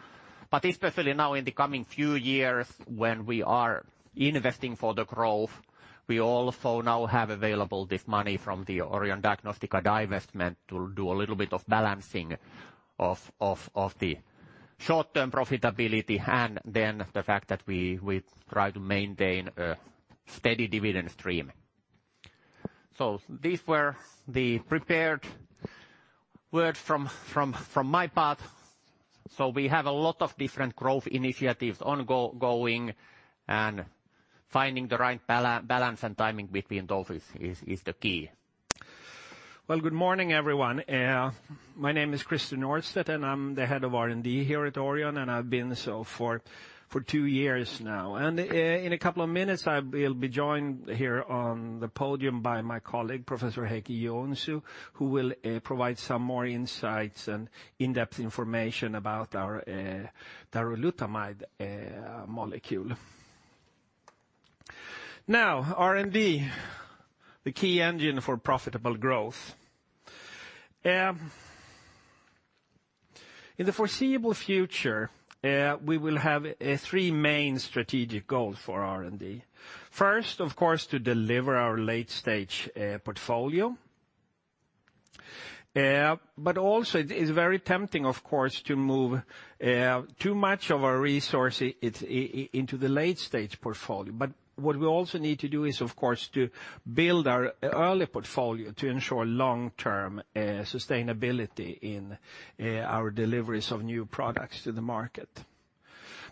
Especially now in the coming few years when we are investing for the growth, we also now have available this money from the Orion Diagnostica divestment to do a little bit of balancing of the short-term profitability and then the fact that we try to maintain a steady dividend stream. These were the prepared words from my part. We have a lot of different growth initiatives ongoing and finding the right balance and timing between those is the key. Well, good morning, everyone. My name is Christer Nordstedt, and I'm the head of R&D here at Orion, and I've been so for two years now. In a couple of minutes, I will be joined here on the podium by my colleague, Professor Heikki Joensuu, who will provide some more insights and in-depth information about our darolutamide molecule. R&D, the key engine for profitable growth. In the foreseeable future, we will have three main strategic goals for R&D. First, of course, to deliver our late-stage portfolio. Also it is very tempting, of course, to move too much of our resources into the late-stage portfolio. What we also need to do is, of course, to build our early portfolio to ensure long-term sustainability in our deliveries of new products to the market.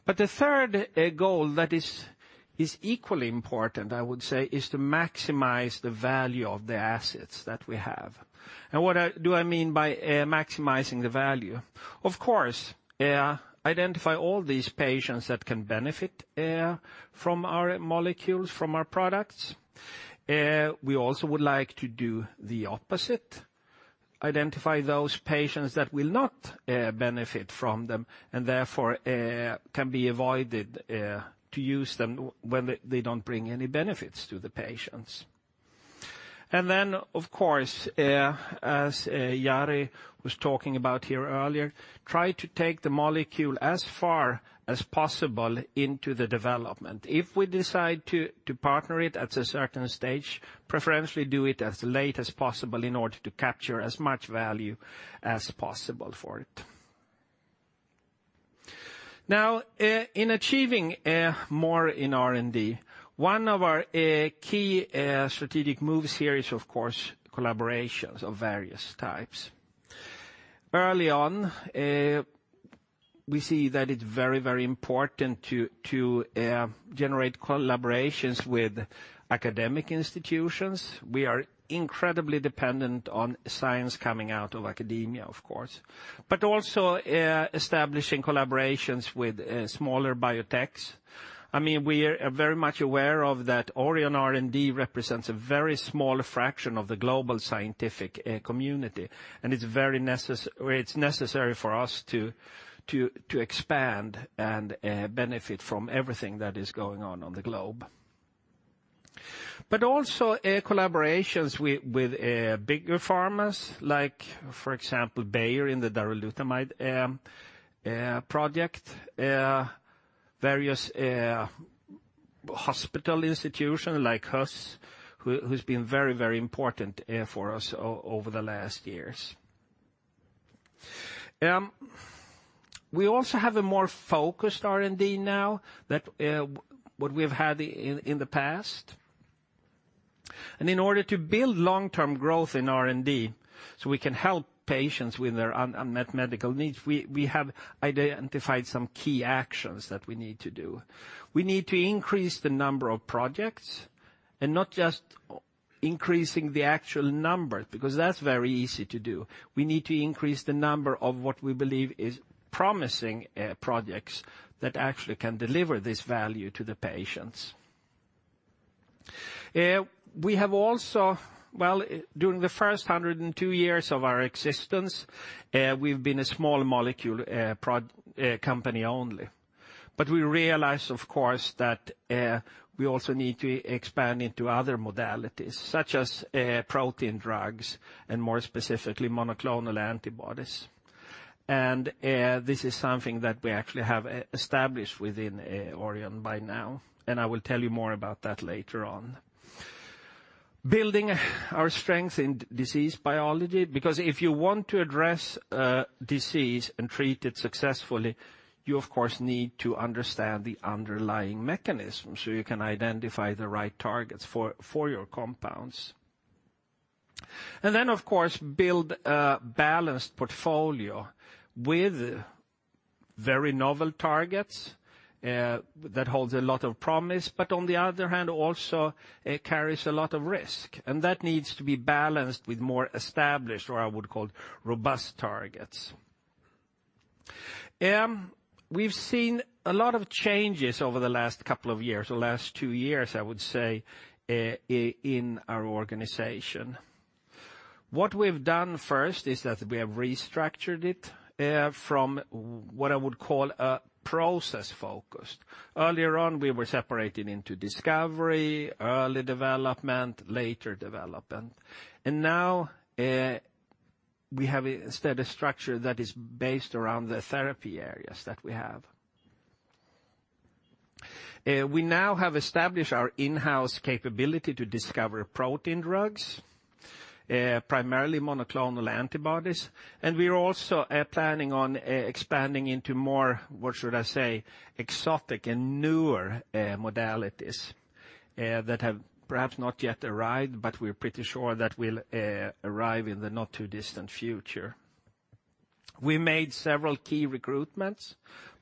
The third goal that is equally important, I would say, is to maximize the value of the assets that we have. What do I mean by maximizing the value? Of course, identify all these patients that can benefit from our molecules, from our products. We also would like to do the opposite, identify those patients that will not benefit from them and therefore can be avoided to use them when they don't bring any benefits to the patients. Then, of course, as Jari was talking about here earlier, try to take the molecule as far as possible into the development. If we decide to partner it at a certain stage, preferentially do it as late as possible in order to capture as much value as possible for it. Now, in achieving more in R&D, one of our key strategic moves here is, of course, collaborations of various types. Early on, we see that it's very important to generate collaborations with academic institutions. We are incredibly dependent on science coming out of academia, of course, but also establishing collaborations with smaller biotechs. We are very much aware that Orion R&D represents a very small fraction of the global scientific community, and it's necessary for us to expand and benefit from everything that is going on the globe. Also collaborations with bigger pharmas like, for example, Bayer in the darolutamide project, various hospital institutions like HUS, who's been very important for us over the last years. We also have a more focused R&D now than what we've had in the past. In order to build long-term growth in R&D so we can help patients with their unmet medical needs, we have identified some key actions that we need to do. We need to increase the number of projects and not just increasing the actual number, because that's very easy to do. We need to increase the number of what we believe is promising projects that actually can deliver this value to the patients. During the first 102 years of our existence, we've been a small molecule company only. We realize, of course, that we also need to expand into other modalities, such as protein drugs and more specifically, monoclonal antibodies. This is something that we actually have established within Orion by now, and I will tell you more about that later on. Building our strength in disease biology, because if you want to address disease and treat it successfully, you of course need to understand the underlying mechanism so you can identify the right targets for your compounds. Then, of course, build a balanced portfolio with very novel targets that holds a lot of promise, but on the other hand, also carries a lot of risk. That needs to be balanced with more established, or I would call, robust targets. We've seen a lot of changes over the last couple of years, the last two years, I would say, in our organization. What we've done first is that we have restructured it from what I would call a process focus. Earlier on, we were separated into discovery, early development, later development. Now we have instead a structure that is based around the therapy areas that we have. We now have established our in-house capability to discover protein drugs, primarily monoclonal antibodies. We are also planning on expanding into more, what should I say, exotic and newer modalities that have perhaps not yet arrived, but we're pretty sure that will arrive in the not too distant future. We made several key recruitments,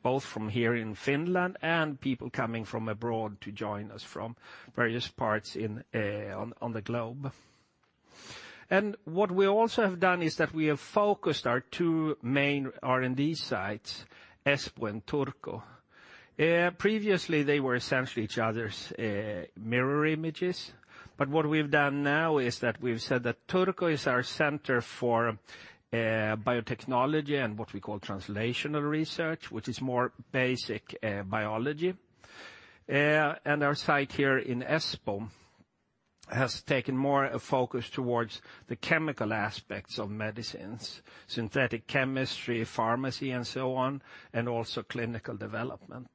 both from here in Finland and people coming from abroad to join us from various parts on the globe. What we also have done is that we have focused our two main R&D sites, Espoo and Turku. Previously, they were essentially each other's mirror images. What we've done now is that we've said that Turku is our center for biotechnology and what we call translational research, which is more basic biology. Our site here in Espoo has taken more focus towards the chemical aspects of medicines, synthetic chemistry, pharmacy and so on, and also clinical development.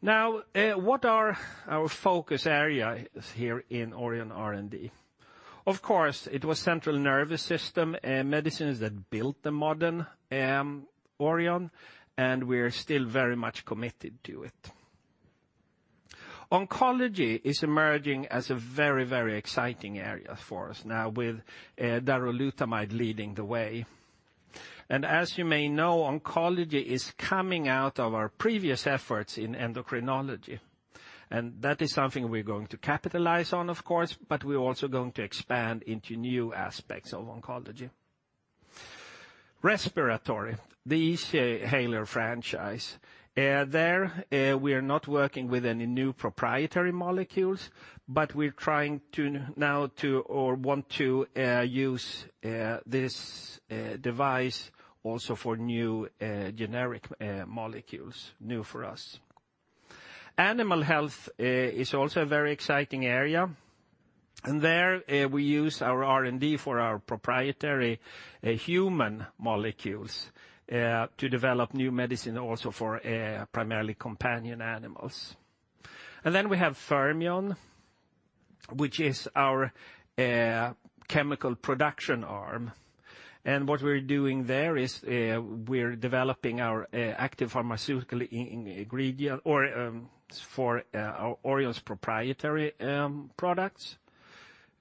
What are our focus areas here in Orion R&D? Of course, it was central nervous system medicines that built the modern Orion, and we're still very much committed to it. Oncology is emerging as a very exciting area for us now with darolutamide leading the way. As you may know, oncology is coming out of our previous efforts in endocrinology, and that is something we're going to capitalize on, of course, but we're also going to expand into new aspects of oncology. Respiratory, the Easyhaler franchise. There, we are not working with any new proprietary molecules, but we're trying now to, or want to use this device also for new generic molecules, new for us. Animal health is also a very exciting area. There we use our R&D for our proprietary human molecules to develop new medicine also for primarily companion animals. Then we have Fermion which is our chemical production arm. What we're doing there is we're developing our active pharmaceutical ingredient for Orion's proprietary products.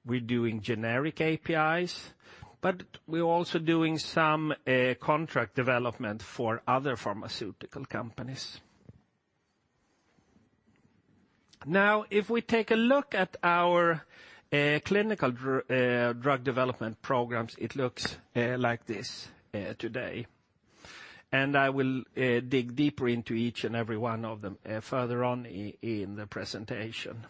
We're doing generic APIs, but we're also doing some contract development for other pharmaceutical companies. If we take a look at our clinical drug development programs, it looks like this today. I will dig deeper into each and every one of them further on in the presentation.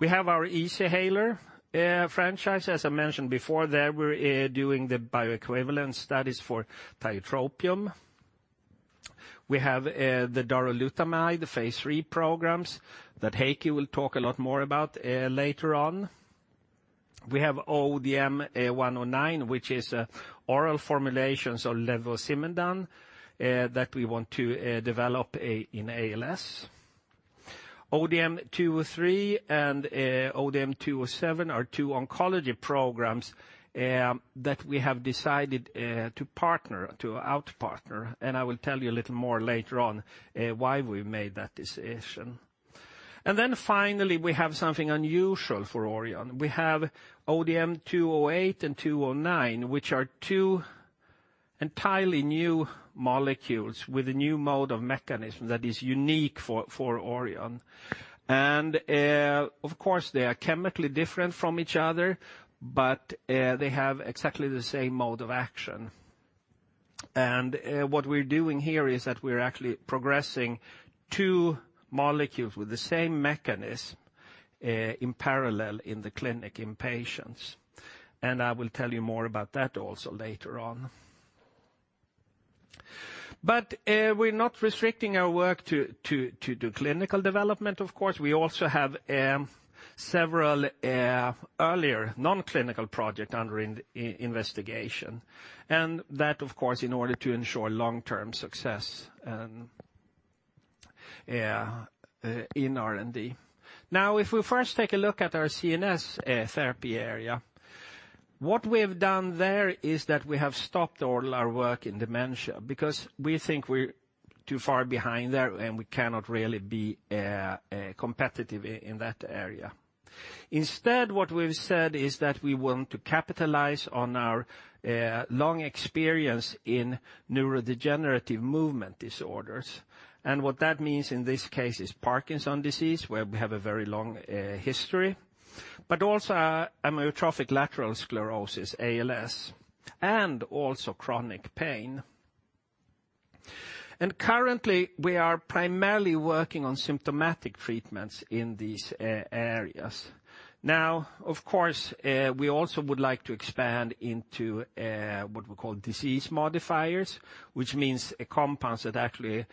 We have our Easyhaler franchise, as I mentioned before, there we're doing the bioequivalence studies for tiotropium. We have the darolutamide phase III programs that Heikki will talk a lot more about later on. We have ODM-109, which is oral formulations of levosimendan, that we want to develop in ALS. ODM-203 and ODM-207 are two oncology programs that we have decided to out-partner, and I will tell you a little more later on why we've made that decision. Then finally, we have something unusual for Orion. We have ODM-208 and 209, which are two entirely new molecules with a new mode of mechanism that is unique for Orion. Of course, they are chemically different from each other, but they have exactly the same mode of action. What we're doing here is that we're actually progressing two molecules with the same mechanism in parallel in the clinic in patients. I will tell you more about that also later on. We're not restricting our work to do clinical development, of course. We also have several earlier non-clinical project under investigation. That, of course, in order to ensure long-term success in R&D. If we first take a look at our CNS therapy area, what we have done there is that we have stopped all our work in dementia, because we think we are too far behind there, and we cannot really be competitive in that area. Instead, what we have said is that we want to capitalize on our long experience in neurodegenerative movement disorders. What that means in this case is Parkinson's disease, where we have a very long history, but also amyotrophic lateral sclerosis, ALS, and also chronic pain. Currently, we are primarily working on symptomatic treatments in these areas. Of course, we also would like to expand into what we call disease modifiers. Which means a compound that actually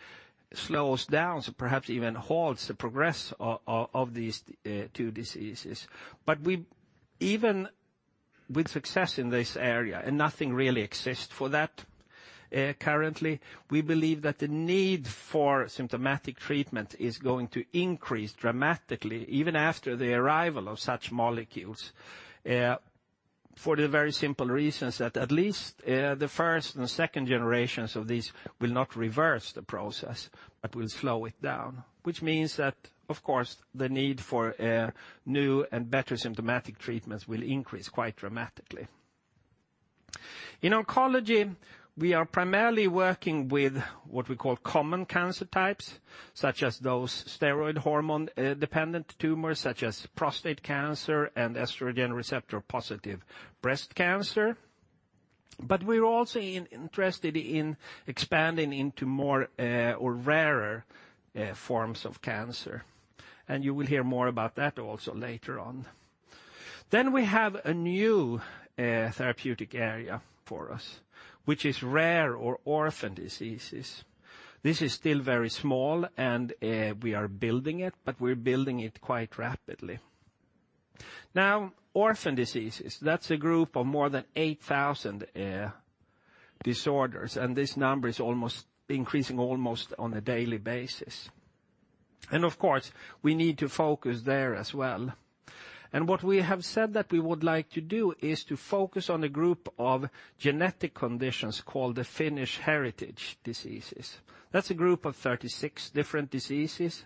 slows down, perhaps even halts the progress of these two diseases. Even with success in this area, and nothing really exists for that currently, we believe that the need for symptomatic treatment is going to increase dramatically, even after the arrival of such molecules. For the very simple reasons that at least the first and second generations of these will not reverse the process but will slow it down. Which means that, of course, the need for new and better symptomatic treatments will increase quite dramatically. In oncology, we are primarily working with what we call common cancer types, such as those steroid hormone-dependent tumors, such as prostate cancer and estrogen receptor positive breast cancer. We are also interested in expanding into more or rarer forms of cancer. You will hear more about that also later on. We have a new therapeutic area for us, which is rare or orphan diseases. This is still very small, and we are building it. We are building it quite rapidly. Orphan diseases, that is a group of more than 8,000 disorders, and this number is increasing almost on a daily basis. Of course, we need to focus there as well. What we have said that we would like to do is to focus on a group of genetic conditions called the Finnish heritage diseases. That is a group of 36 different diseases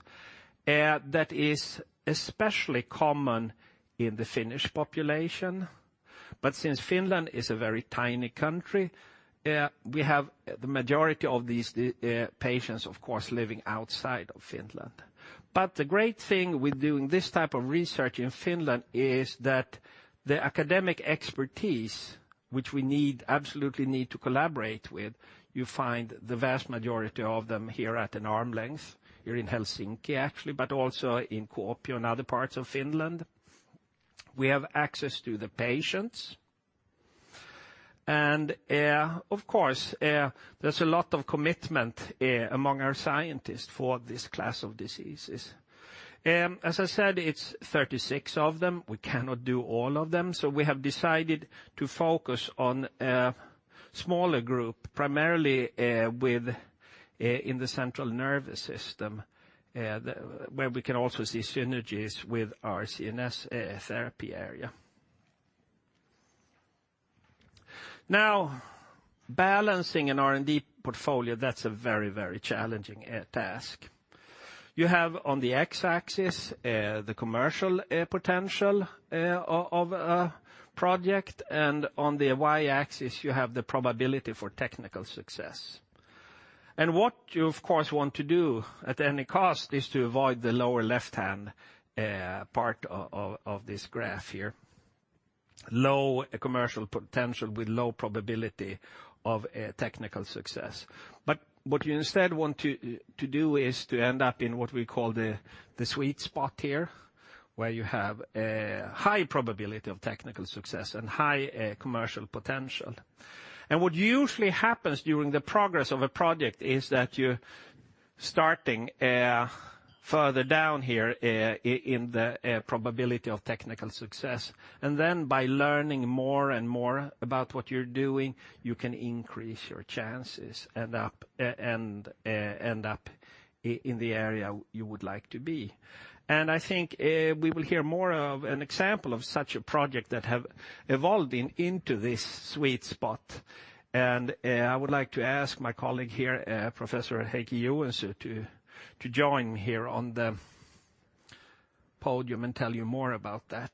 that is especially common in the Finnish population. Since Finland is a very tiny country, we have the majority of these patients, of course, living outside of Finland. The great thing with doing this type of research in Finland is that the academic expertise, which we absolutely need to collaborate with, you find the vast majority of them here at an arm length here in Helsinki actually, but also in Kuopio and other parts of Finland. We have access to the patients. Of course, there is a lot of commitment among our scientists for this class of diseases. As I said, it is 36 of them. We cannot do all of them. We have decided to focus on a smaller group, primarily in the central nervous system, where we can also see synergies with our CNS therapy area. Balancing an R&D portfolio, that is a very challenging task. You have on the X-axis, the commercial potential of a project, and on the Y-axis you have the probability for technical success. What you of course want to do at any cost is to avoid the lower left-hand part of this graph here, low commercial potential with low probability of technical success. What you instead want to do is to end up in what we call the sweet spot here, where you have a high probability of technical success and high commercial potential. What usually happens during the progress of a project is that you're starting further down here, in the probability of technical success. By learning more and more about what you're doing, you can increase your chances and end up in the area you would like to be. I think we will hear more of an example of such a project that have evolved into this sweet spot. I would like to ask my colleague here, Professor Heikki Joensuu to join me here on the podium and tell you more about that.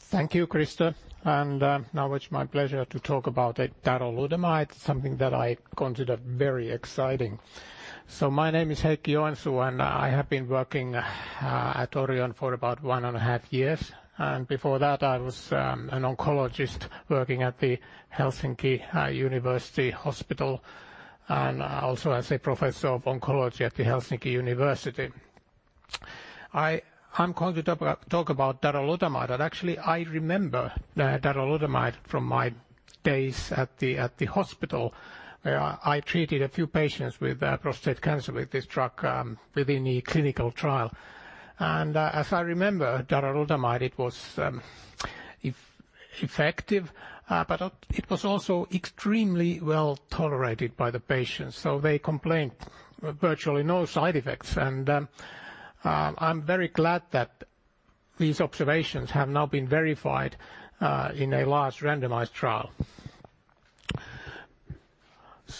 Thank you, Christer. Now it's my pleasure to talk about darolutamide, something that I consider very exciting. My name is Heikki Joensuu, and I have been working at Orion for about one and a half years. Before that, I was an oncologist working at the Helsinki University Hospital. Also as a professor of oncology at the University of Helsinki. I'm going to talk about darolutamide, but actually, I remember darolutamide from my days at the hospital, where I treated a few patients with prostate cancer with this drug within a clinical trial. As I remember, darolutamide, it was effective, but it was also extremely well tolerated by the patients, so they complained virtually no side effects. I'm very glad that these observations have now been verified in a large randomized trial.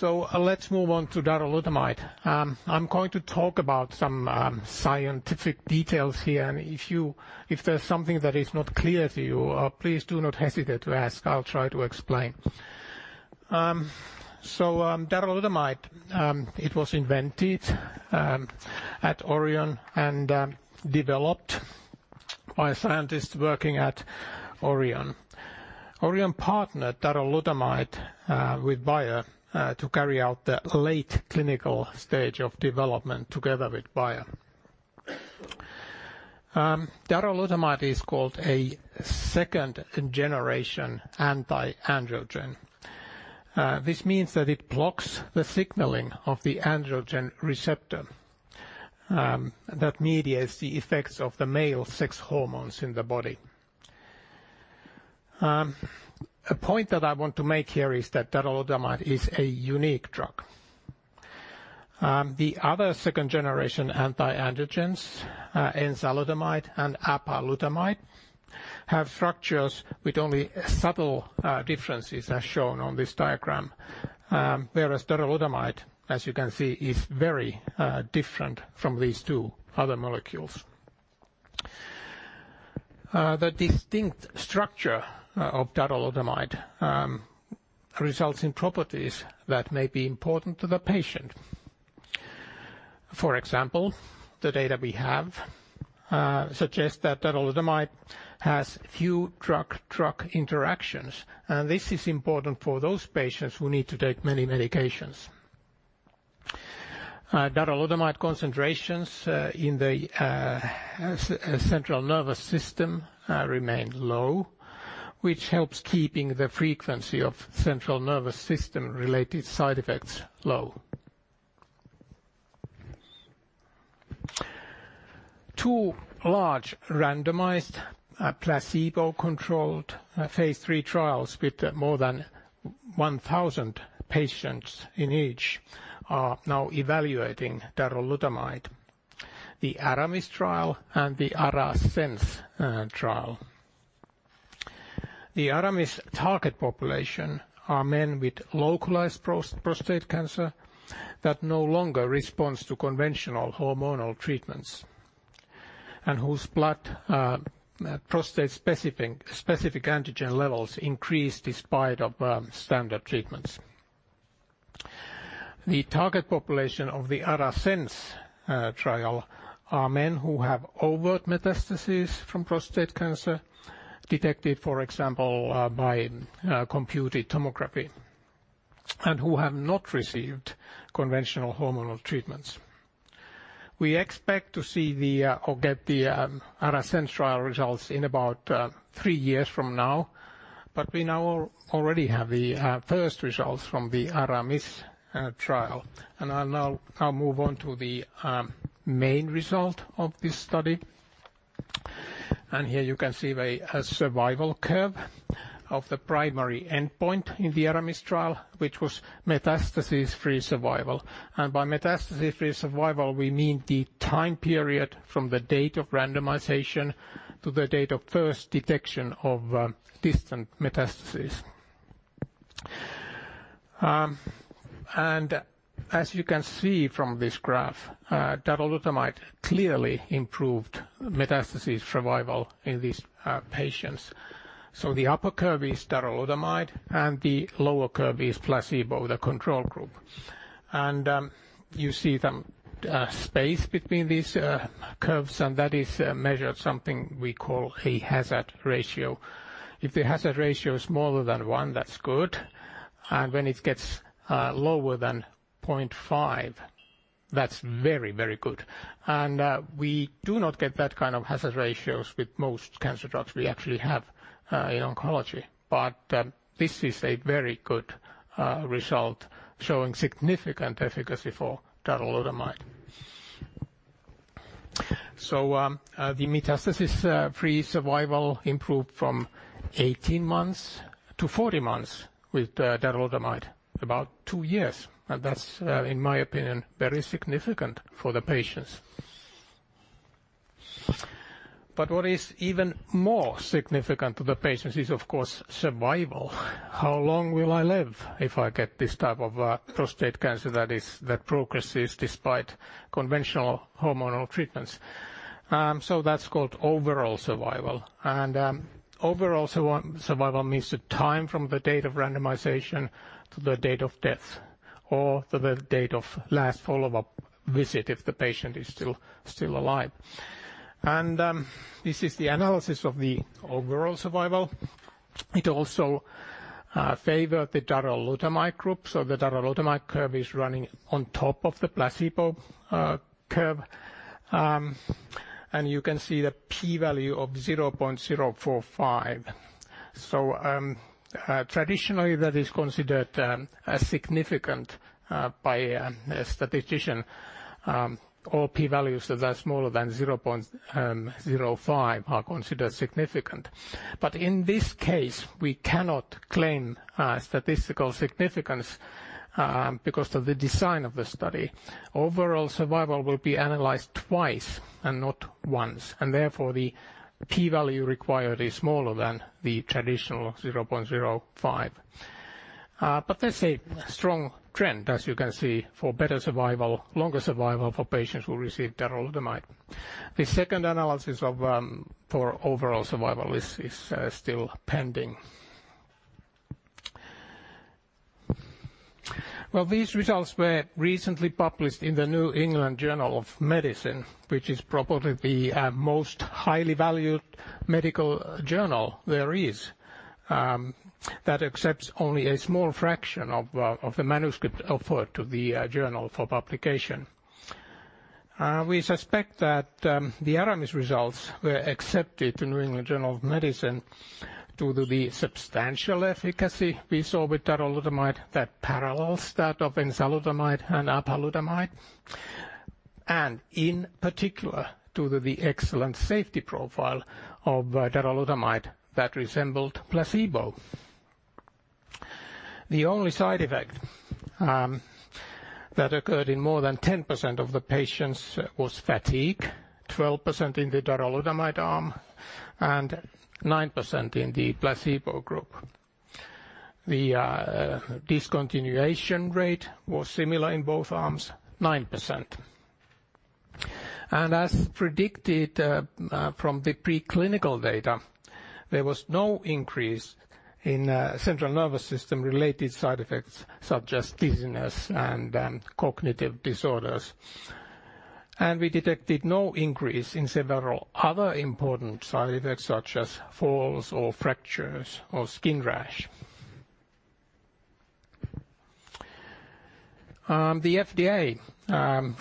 Let's move on to darolutamide. I'm going to talk about some scientific details here. If there's something that is not clear to you, please do not hesitate to ask. I'll try to explain. Darolutamide, it was invented at Orion and developed by scientists working at Orion. Orion partnered darolutamide with Bayer to carry out the late clinical stage of development together with Bayer. Darolutamide is called a second generation anti-androgen. This means that it blocks the signaling of the androgen receptor, that mediates the effects of the male sex hormones in the body. A point that I want to make here is that darolutamide is a unique drug. The other second generation anti-androgens, enzalutamide and apalutamide, have structures with only subtle differences as shown on this diagram. Whereas darolutamide, as you can see, is very different from these two other molecules. The distinct structure of darolutamide results in properties that may be important to the patient. For example, the data we have suggests that darolutamide has few drug-drug interactions, and this is important for those patients who need to take many medications. Darolutamide concentrations in the central nervous system remain low, which helps keeping the frequency of central nervous system related side effects low. Two large randomized, placebo-controlled, phase III trials with more than 1,000 patients in each are now evaluating darolutamide. The ARAMIS trial and the ARASENS trial. The ARAMIS target population are men with localized prostate cancer that no longer responds to conventional hormonal treatments, and whose blood prostate specific antigen levels increase despite standard treatments. The target population of the ARASENS trial are men who have overt metastasis from prostate cancer detected, for example, by computed tomography, and who have not received conventional hormonal treatments. We expect to see the, or get the ARASENS trial results in about three years from now. We now already have the first results from the ARAMIS trial. I'll now move on to the main result of this study. Here you can see a survival curve of the primary endpoint in the ARAMIS trial, which was metastasis-free survival. By metastasis-free survival, we mean the time period from the date of randomization to the date of first detection of distant metastasis. As you can see from this graph, darolutamide clearly improved metastasis survival in these patients. The upper curve is darolutamide, and the lower curve is placebo, the control group. You see the space between these curves, and that is measured something we call the hazard ratio. If the hazard ratio is smaller than one, that's good. When it gets lower than 0.5, that's very, very good. We do not get that kind of hazard ratios with most cancer drugs we actually have in oncology. This is a very good result, showing significant efficacy for darolutamide. The metastasis-free survival improved from 18 months to 40 months with darolutamide, about two years. That's, in my opinion, very significant for the patients. What is even more significant to the patients is, of course, survival. How long will I live if I get this type of prostate cancer that progresses despite conventional hormonal treatments? That's called overall survival. Overall survival means the time from the date of randomization to the date of death, or to the date of last follow-up visit if the patient is still alive. This is the analysis of the overall survival. It also favored the darolutamide group. The darolutamide curve is running on top of the placebo curve. You can see the P value of 0.045. Traditionally, that is considered as significant by a statistician. All P values that are smaller than 0.05 are considered significant. In this case, we cannot claim statistical significance, because of the design of the study. Overall survival will be analyzed twice and not once, therefore the P value required is smaller than the traditional 0.05. There's a strong trend, as you can see, for better survival, longer survival for patients who receive darolutamide. The second analysis for overall survival is still pending. These results were recently published in the New England Journal of Medicine, which is probably the most highly valued medical journal there is, that accepts only a small fraction of the manuscript offered to the journal for publication. We suspect that the ARAMIS results were accepted to New England Journal of Medicine due to the substantial efficacy we saw with darolutamide that parallels that of enzalutamide and apalutamide, in particular, due to the excellent safety profile of darolutamide that resembled placebo. The only side effect that occurred in more than 10% of the patients was fatigue, 12% in the darolutamide arm, and 9% in the placebo group. The discontinuation rate was similar in both arms, 9%. As predicted from the preclinical data, there was no increase in central nervous system-related side effects such as dizziness and cognitive disorders. We detected no increase in several other important side effects such as falls or fractures or skin rash. The FDA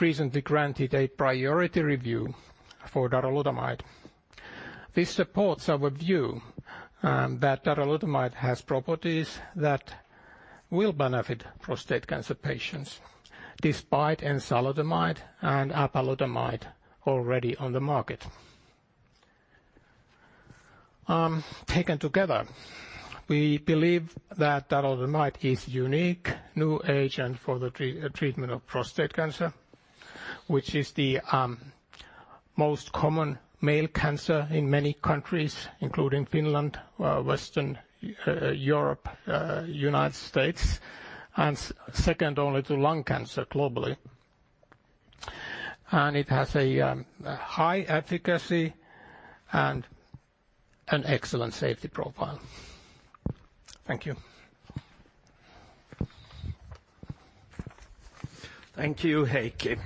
recently granted a priority review for darolutamide. This supports our view that darolutamide has properties that will benefit prostate cancer patients, despite enzalutamide and apalutamide already on the market. Taken together, we believe that darolutamide is unique, new agent for the treatment of prostate cancer, which is the most common male cancer in many countries, including Finland, Western Europe, United States, and second only to lung cancer globally. It has a high efficacy and an excellent safety profile. Thank you. Thank you, Heikki.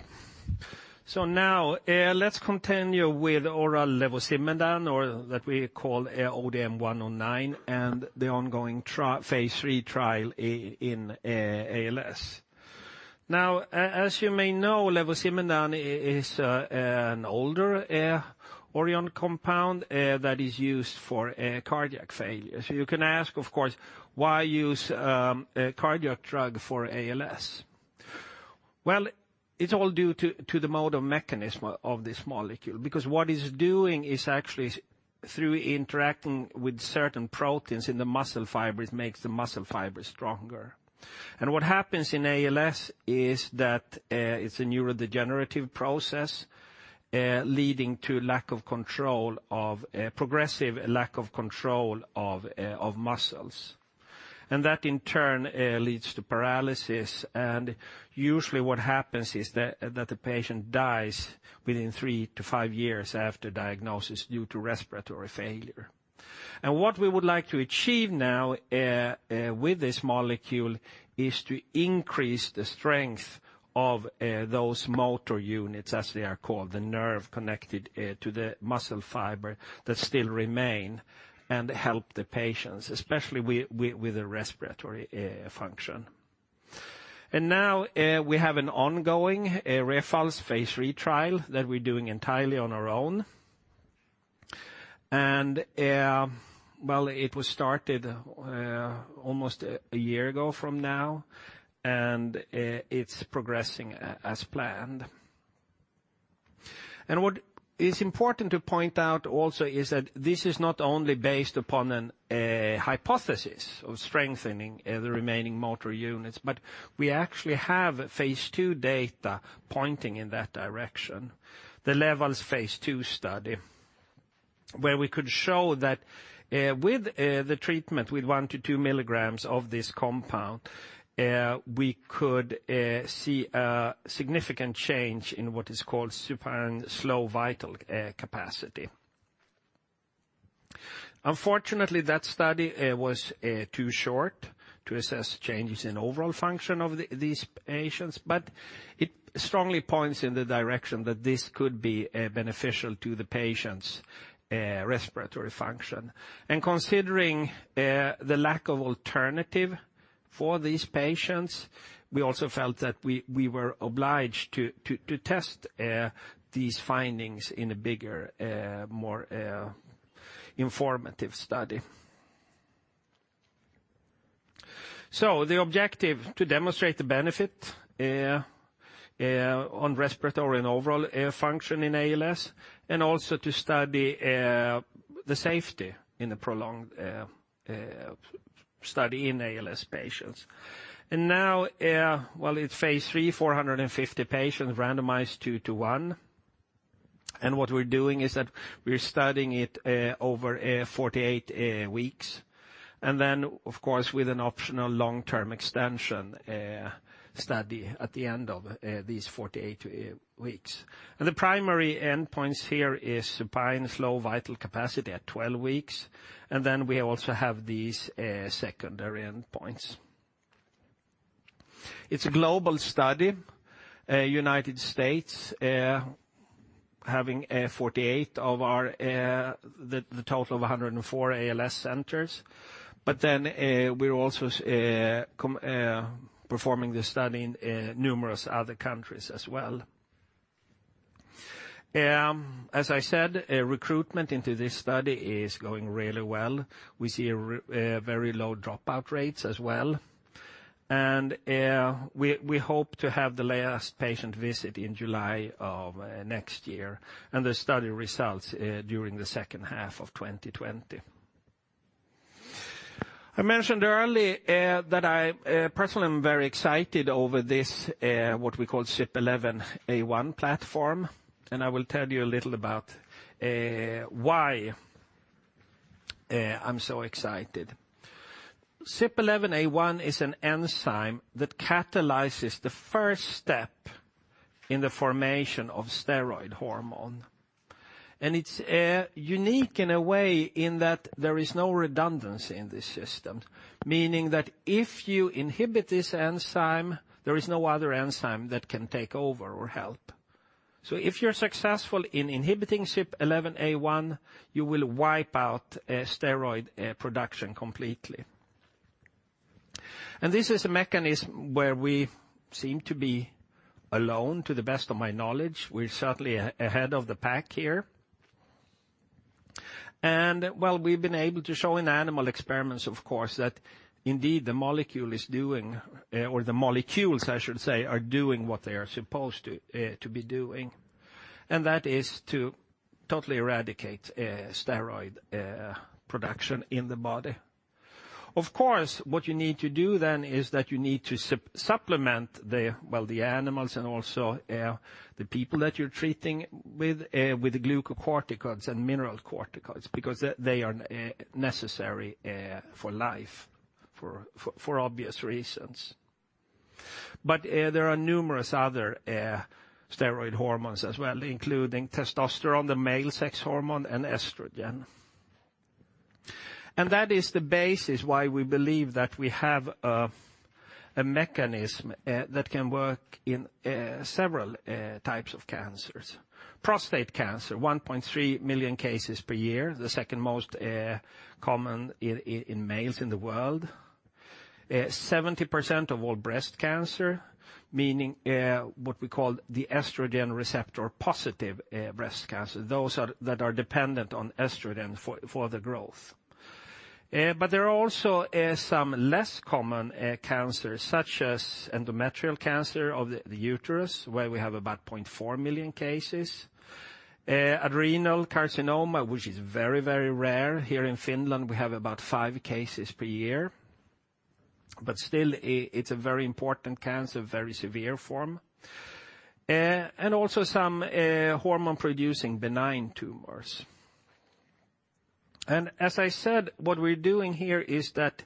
Now, let's continue with oral levosimendan, or that we call ODM-109, and the ongoing phase III trial in ALS. As you may know, levosimendan is an older Orion compound that is used for cardiac failure. You can ask, of course, why use a cardiac drug for ALS? Well, it's all due to the mode of mechanism of this molecule, because what it's doing is actually through interacting with certain proteins in the muscle fibers, makes the muscle fibers stronger. What happens in ALS is that it's a neurodegenerative process, leading to progressive lack of control of muscles. That in turn leads to paralysis and usually what happens is that the patient dies within three to five years after diagnosis due to respiratory failure. What we would like to achieve now with this molecule is to increase the strength of those motor units, as they are called, the nerve connected to the muscle fiber that still remain and help the patients, especially with the respiratory function. Now we have an ongoing REFALS phase III trial that we're doing entirely on our own, and it was started almost a year ago from now. It's progressing as planned. What is important to point out also is that this is not only based upon a hypothesis of strengthening the remaining motor units, but we actually have phase II data pointing in that direction. The LEVEL phase II study, where we could show that with the treatment with one to two milligrams of this compound, we could see a significant change in what is called supine slow vital capacity. Unfortunately, that study was too short to assess changes in overall function of these patients. It strongly points in the direction that this could be beneficial to the patient's respiratory function. Considering the lack of alternative for these patients, we also felt that we were obliged to test these findings in a bigger, more informative study. The objective to demonstrate the benefit on respiratory and overall function in ALS and also to study the safety in the prolonged study in ALS patients. Now, it's phase III, 450 patients randomized 2 to 1. What we're doing is that we're studying it over 48 weeks. Then of course with an optional long-term extension study at the end of these 48 weeks. The primary endpoints here is supine slow vital capacity at 12 weeks. Then we also have these secondary endpoints. It's a global study. U.S. having 48 of the total of 104 ALS centers. We're also performing this study in numerous other countries as well. As I said, recruitment into this study is going really well. We see very low dropout rates as well. We hope to have the last patient visit in July of next year and the study results during the second half of 2020. I mentioned earlier that I personally am very excited over this what we call CYP11A1 platform. I will tell you a little about why I'm so excited. CYP11A1 is an enzyme that catalyzes the first step in the formation of steroid hormone. It's unique in a way in that there is no redundancy in this system. Meaning that if you inhibit this enzyme, there is no other enzyme that can take over or help. If you're successful in inhibiting CYP11A1, you will wipe out steroid production completely. This is a mechanism where we seem to be alone, to the best of my knowledge. We're certainly ahead of the pack here. We've been able to show in animal experiments, of course, that indeed the molecule is doing, or the molecules I should say, are doing what they are supposed to be doing, and that is to totally eradicate steroid production in the body. Of course, what you need to do then is that you need to supplement the animals and also the people that you're treating with glucocorticoids and mineralocorticoids, because they are necessary for life for obvious reasons. There are numerous other steroid hormones as well, including testosterone, the male sex hormone, and estrogen. That is the basis why we believe that we have a mechanism that can work in several types of cancers. Prostate cancer, 1.3 million cases per year, the second most common in males in the world. 70% of all breast cancer, meaning what we call the estrogen receptor positive breast cancer, those that are dependent on estrogen for the growth. There are also some less common cancers, such as endometrial cancer of the uterus, where we have about 0.4 million cases. Adrenal carcinoma, which is very rare. Here in Finland, we have about five cases per year. Still, it's a very important cancer, very severe form. Also some hormone-producing benign tumors. As I said, what we're doing here is that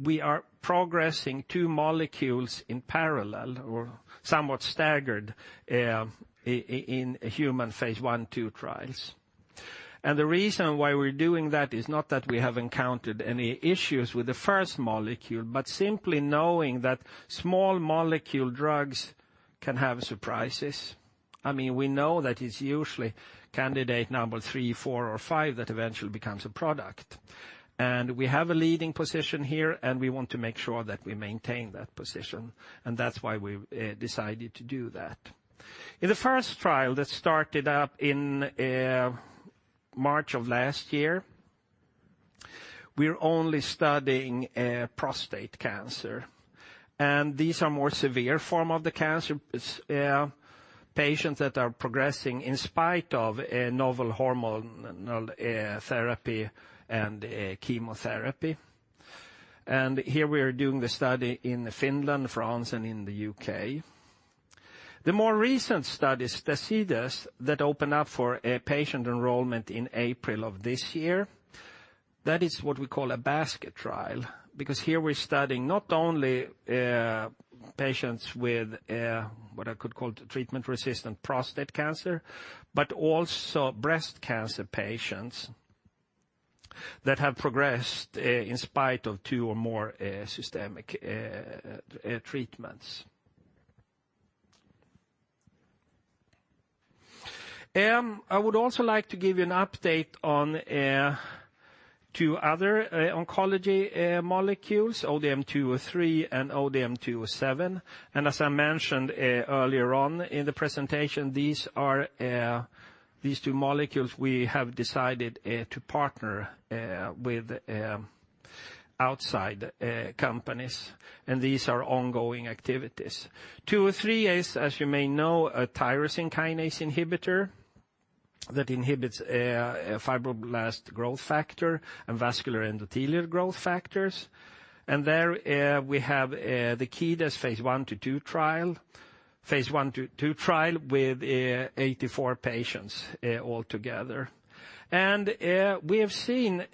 we are progressing two molecules in parallel, or somewhat staggered, in human phase I, II trials. The reason why we're doing that is not that we have encountered any issues with the first molecule, but simply knowing that small molecule drugs can have surprises. We know that it's usually candidate number 3, 4, or 5 that eventually becomes a product. We have a leading position here, and we want to make sure that we maintain that position, and that's why we decided to do that. In the first trial that started up in March of last year, we're only studying prostate cancer, and these are more severe form of the cancer. It's patients that are progressing in spite of novel hormonal therapy and chemotherapy. Here we are doing the study in Finland, France, and in the U.K. The more recent studies, STACIDES, that open up for patient enrollment in April of this year. That is what we call a basket trial, because here we're studying not only patients with what I could call treatment-resistant prostate cancer, but also breast cancer patients that have progressed in spite of two or more systemic treatments. I would also like to give you an update on two other oncology molecules, ODM-203 and ODM-207. As I mentioned earlier on in the presentation, these two molecules we have decided to partner with outside companies, and these are ongoing activities. 203 is, as you may know, a tyrosine kinase inhibitor that inhibits fibroblast growth factor and vascular endothelial growth factors. There we have the key phase I to II trial with 84 patients altogether. We have seen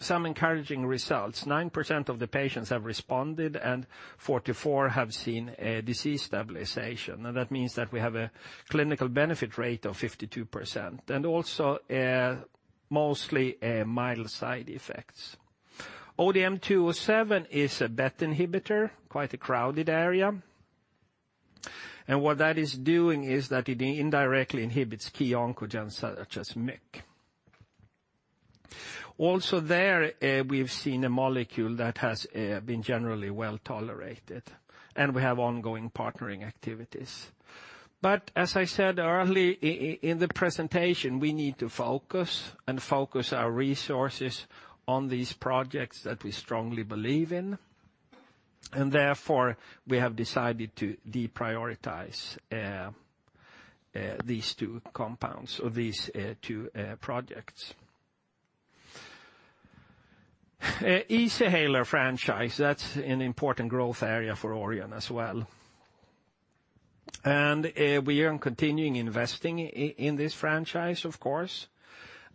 some encouraging results. 9% of the patients have responded, and 44 have seen a disease stabilization. That means that we have a clinical benefit rate of 52%, and also mostly mild side effects. ODM-207 is a BET inhibitor, quite a crowded area. What that is doing is that it indirectly inhibits key oncogenes such as MYC. Also there, we've seen a molecule that has been generally well-tolerated, and we have ongoing partnering activities. As I said earlier in the presentation, we need to focus and focus our resources on these projects that we strongly believe in. Therefore, we have decided to deprioritize these two compounds or these two projects. Easyhaler franchise, that's an important growth area for Orion as well. We are continuing investing in this franchise, of course.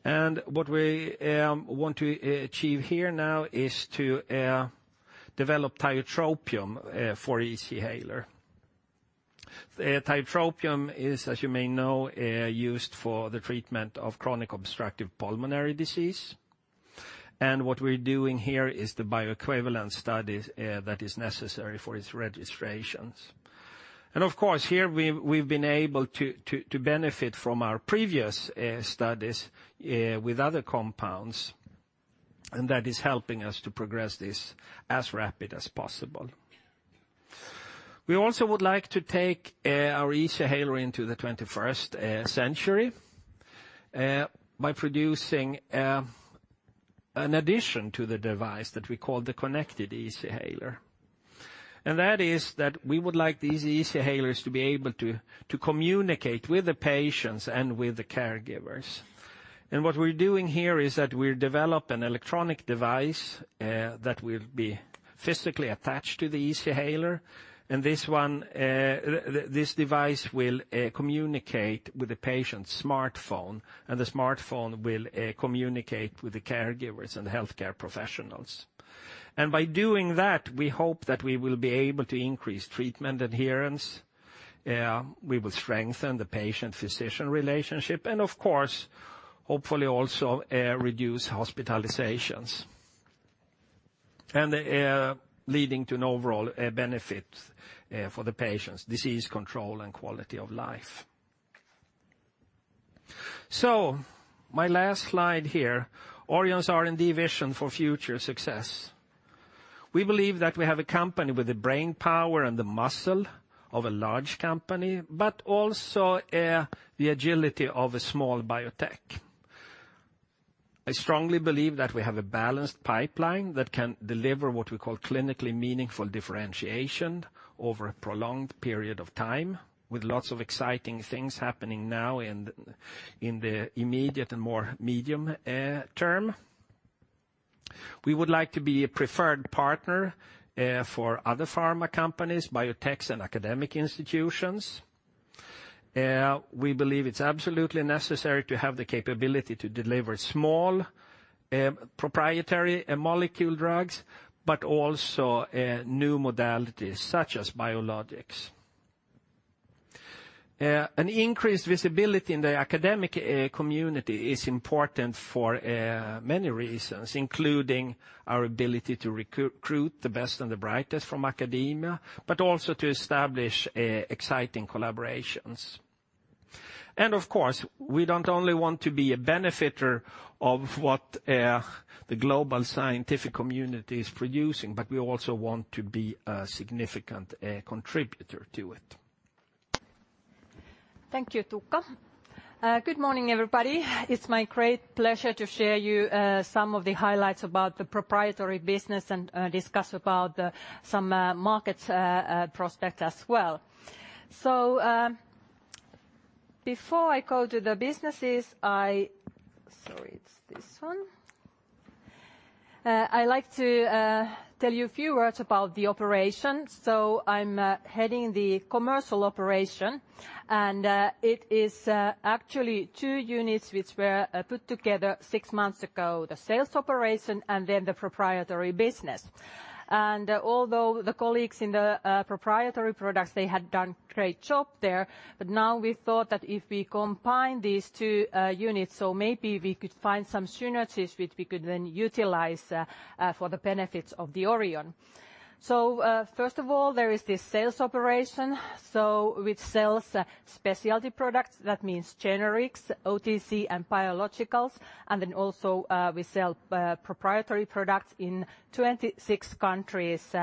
What we want to achieve here now is to develop tiotropium for Easyhaler. Tiotropium is, as you may know, used for the treatment of chronic obstructive pulmonary disease. What we're doing here is the bioequivalent studies that is necessary for its registrations. Of course, here we've been able to benefit from our previous studies with other compounds, and that is helping us to progress this as rapid as possible. We also would like to take our Easyhaler into the 21st century by producing an addition to the device that we call the connected Easyhaler. That is that we would like these Easyhalers to be able to communicate with the patients and with the caregivers. What we're doing here is that we develop an electronic device that will be physically attached to the Easyhaler. This device will communicate with the patient's smartphone, and the smartphone will communicate with the caregivers and the healthcare professionals. By doing that, we hope that we will be able to increase treatment adherence. We will strengthen the patient-physician relationship and, of course, hopefully also reduce hospitalizations, leading to an overall benefit for the patients' disease control and quality of life. My last slide here, Orion's R&D vision for future success. We believe that we have a company with the brain power and the muscle of a large company, but also the agility of a small biotech. I strongly believe that we have a balanced pipeline that can deliver what we call clinically meaningful differentiation over a prolonged period of time, with lots of exciting things happening now in the immediate and more medium term. We would like to be a preferred partner for other pharma companies, biotechs, and academic institutions. We believe it's absolutely necessary to have the capability to deliver small proprietary molecule drugs, but also new modalities such as biologics. An increased visibility in the academic community is important for many reasons, including our ability to recruit the best and the brightest from academia, but also to establish exciting collaborations. Of course, we don't only want to be a benefitor of what the global scientific community is producing, but we also want to be a significant contributor to it. Thank you, Tuukka. Good morning, everybody. It's my great pleasure to share you some of the highlights about the proprietary business and discuss about some market prospect as well. Before I go to the businesses, I like to tell you a few words about the operation. I'm heading the commercial operation, and it is actually two units which were put together six months ago, the sales operation and then the proprietary business. Although the colleagues in the proprietary products, they had done great job there, but now we thought that if we combine these two units, maybe we could find some synergies which we could then utilize for the benefits of Orion. First of all, there is this sales operation. Which sells specialty products, that means generics, OTC, and biologicals, and then also we sell proprietary products in 26 countries.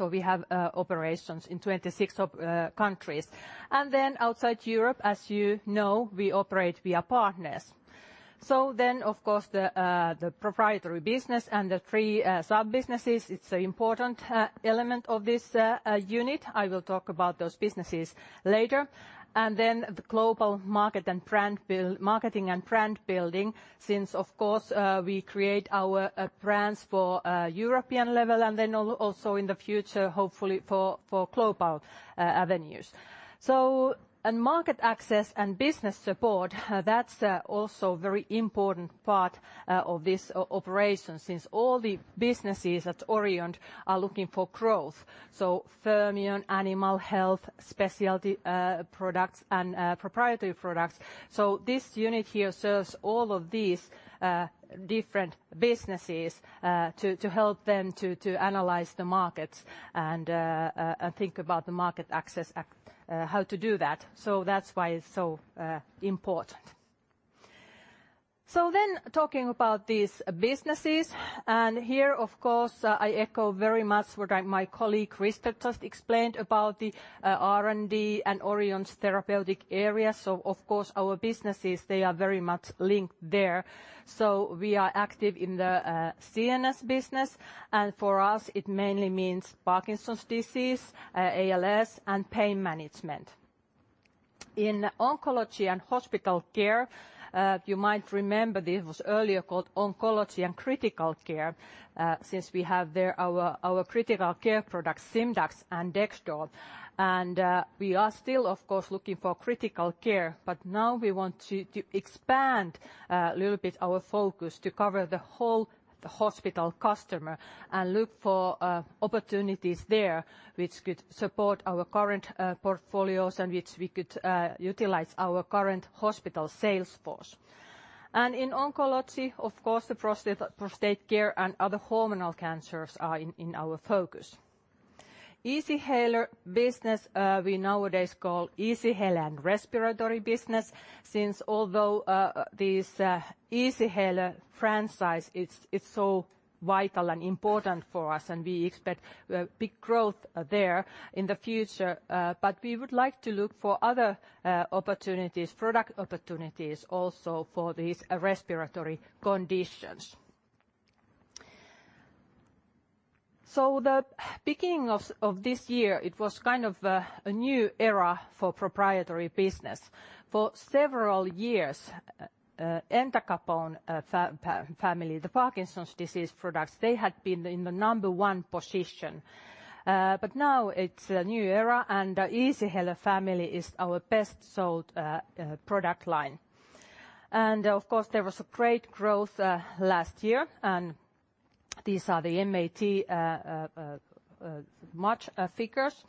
We have operations in 26 countries. Then outside Europe, as you know, we operate via partners. Then of course the proprietary business and the three sub-businesses, it's an important element of this unit. I will talk about those businesses later. Then the global marketing and brand building, since of course, we create our brands for European level and then also in the future, hopefully for global avenues. Market access and business support, that's also very important part of this operation since all the businesses at Orion are looking for growth. Fermion, animal health, specialty products, and proprietary products. This unit here serves all of these different businesses to help them to analyze the market and think about the market access, how to do that. That's why it's so important. Talking about these businesses, here, of course, I echo very much what my colleague, Christer, just explained about the R&D and Orion's therapeutic area. Of course, our businesses, they are very much linked there. We are active in the CNS business, and for us, it mainly means Parkinson's disease, ALS, and pain management. In oncology and hospital care, you might remember this was earlier called oncology and critical care, since we have there our critical care product, Simdax and Dexdor. We are still, of course, looking for critical care, now we want to expand a little bit our focus to cover the whole hospital customer and look for opportunities there which could support our current portfolios and which we could utilize our current hospital sales force. In oncology, of course, the prostate care and other hormonal cancers are in our focus. Easyhaler Business we nowadays call Easyhaler and Respiratory Business, since although this Easyhaler franchise it's so vital and important for us and we expect big growth there in the future. We would like to look for other opportunities, product opportunities also for these respiratory conditions. The beginning of this year, it was kind of a new era for proprietary business. For several years, entacapone family, the Parkinson's disease products, they had been in the number 1 position. Now it's a new era, the Easyhaler family is our best-sold product line. Of course, there was a great growth last year, these are the MAT March figures.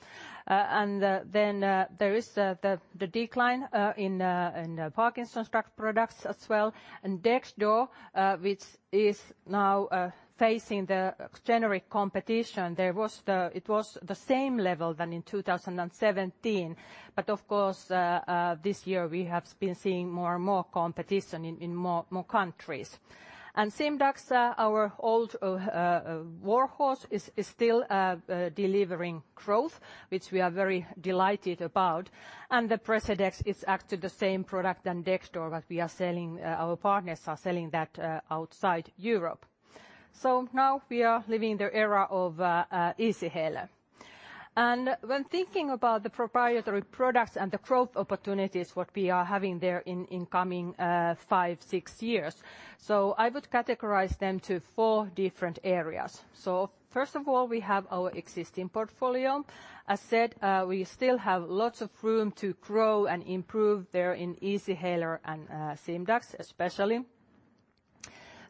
There is the decline in the Parkinson's products as well. Dexdor, which is now facing the generic competition, it was the same level than in 2017. Of course, this year we have been seeing more and more competition in more countries. Simdax, our old warhorse, is still delivering growth, which we are very delighted about. The Precedex is actually the same product than Dexdor that our partners are selling that outside Europe. We are living in the era of Easyhaler. When thinking about the proprietary products and the growth opportunities, what we are having there in the coming five, six years, I would categorize them into 4 different areas. First of all, we have our existing portfolio. As said, we still have lots of room to grow and improve there in Easyhaler and Simdax especially.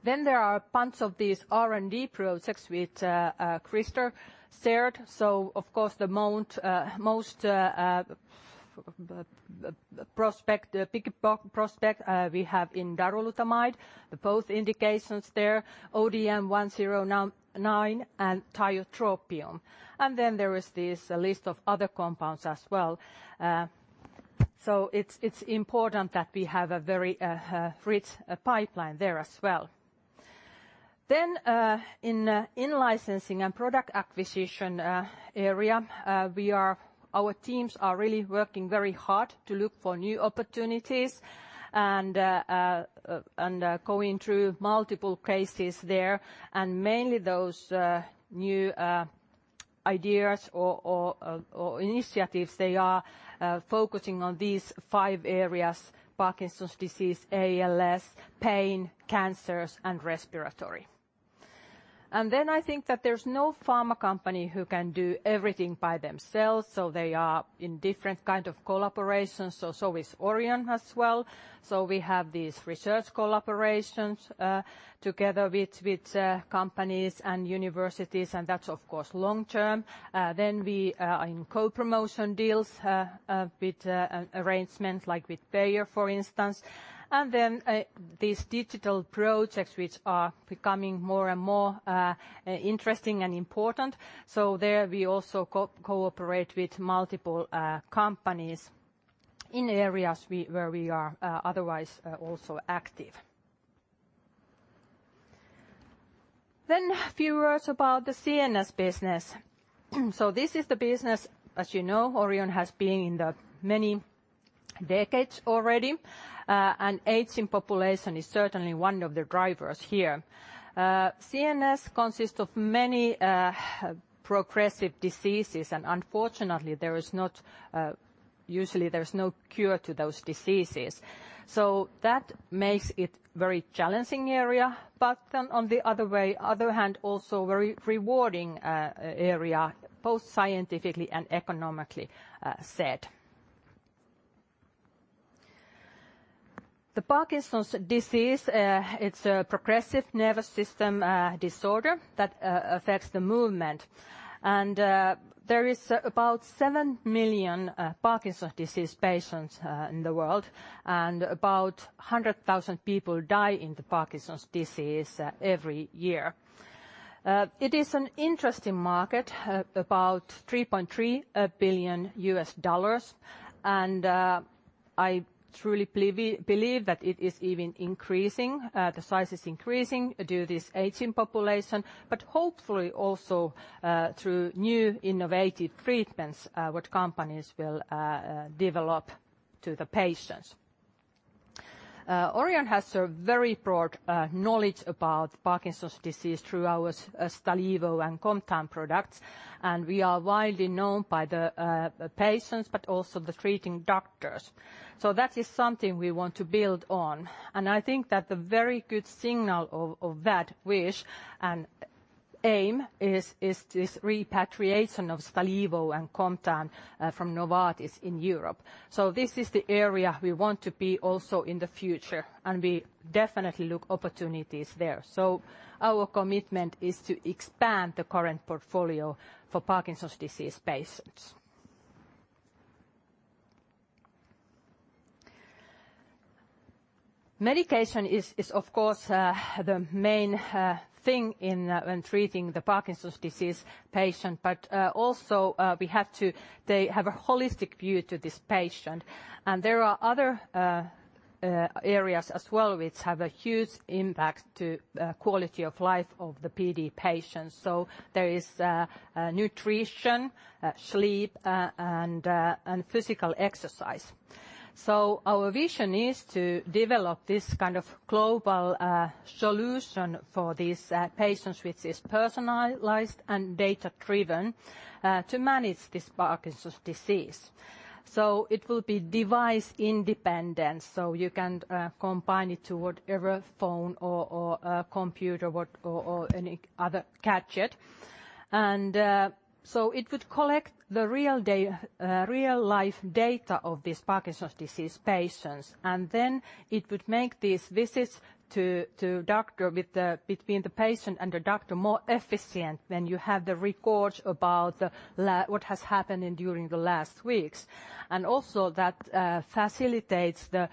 There are a bunch of these R&D projects, which Christer shared. Of course, the most prospect we have in darolutamide, both indications there, ODM-109 and tiotropium. There is this list of other compounds as well. It's important that we have a very rich pipeline there as well. In licensing and product acquisition area, our teams are really working very hard to look for new opportunities and going through multiple cases there. Mainly those new ideas or initiatives, they are focusing on these 5 areas, Parkinson's disease, ALS, pain, cancers, and respiratory. I think that there's no pharma company who can do everything by themselves, they are in different kind of collaborations, so is Orion as well. We have these research collaborations together with companies and universities. That's of course long-term. We are in co-promotion deals with arrangements like with Bayer, for instance. These digital projects which are becoming more and more interesting and important. There we also cooperate with multiple companies in areas where we are otherwise also active. A few words about the CNS business. This is the business, as you know, Orion has been in that many decades already. Aging population is certainly one of the drivers here. CNS consists of many progressive diseases. Unfortunately, usually there is no cure to those diseases. That makes it very challenging area. On the other hand, also very rewarding area, both scientifically and economically said. The Parkinson's disease, it's a progressive nervous system disorder that affects the movement. There is about seven million Parkinson's disease patients in the world. About 100,000 people die in the Parkinson's disease every year. It is an interesting market, about $3.3 billion, and I truly believe that it is even increasing, the size is increasing due to this aging population, hopefully also through new innovative treatments which companies will develop to the patients. Orion has a very broad knowledge about Parkinson's disease through our Stalevo and Comtan products. We are widely known by the patients, but also the treating doctors. That is something we want to build on. I think that the very good signal of that wish and aim is this repatriation of Stalevo and Comtan from Novartis in Europe. This is the area we want to be also in the future. We definitely look opportunities there. Our commitment is to expand the current portfolio for Parkinson's disease patients. Medication is, of course, the main thing in treating the Parkinson's disease patient. Also we have to have a holistic view to this patient. There are other areas as well which have a huge impact to quality of life of the PD patients. There is nutrition, sleep, and physical exercise. Our vision is to develop this kind of global solution for these patients, which is personalized and data-driven to manage this Parkinson's disease. It will be device independent. You can combine it to whatever phone or computer or any other gadget. It would collect the real-life data of these Parkinson's disease patients. It would make these visits between the patient and the doctor more efficient when you have the records about what has happened during the last weeks. Also, that facilitates the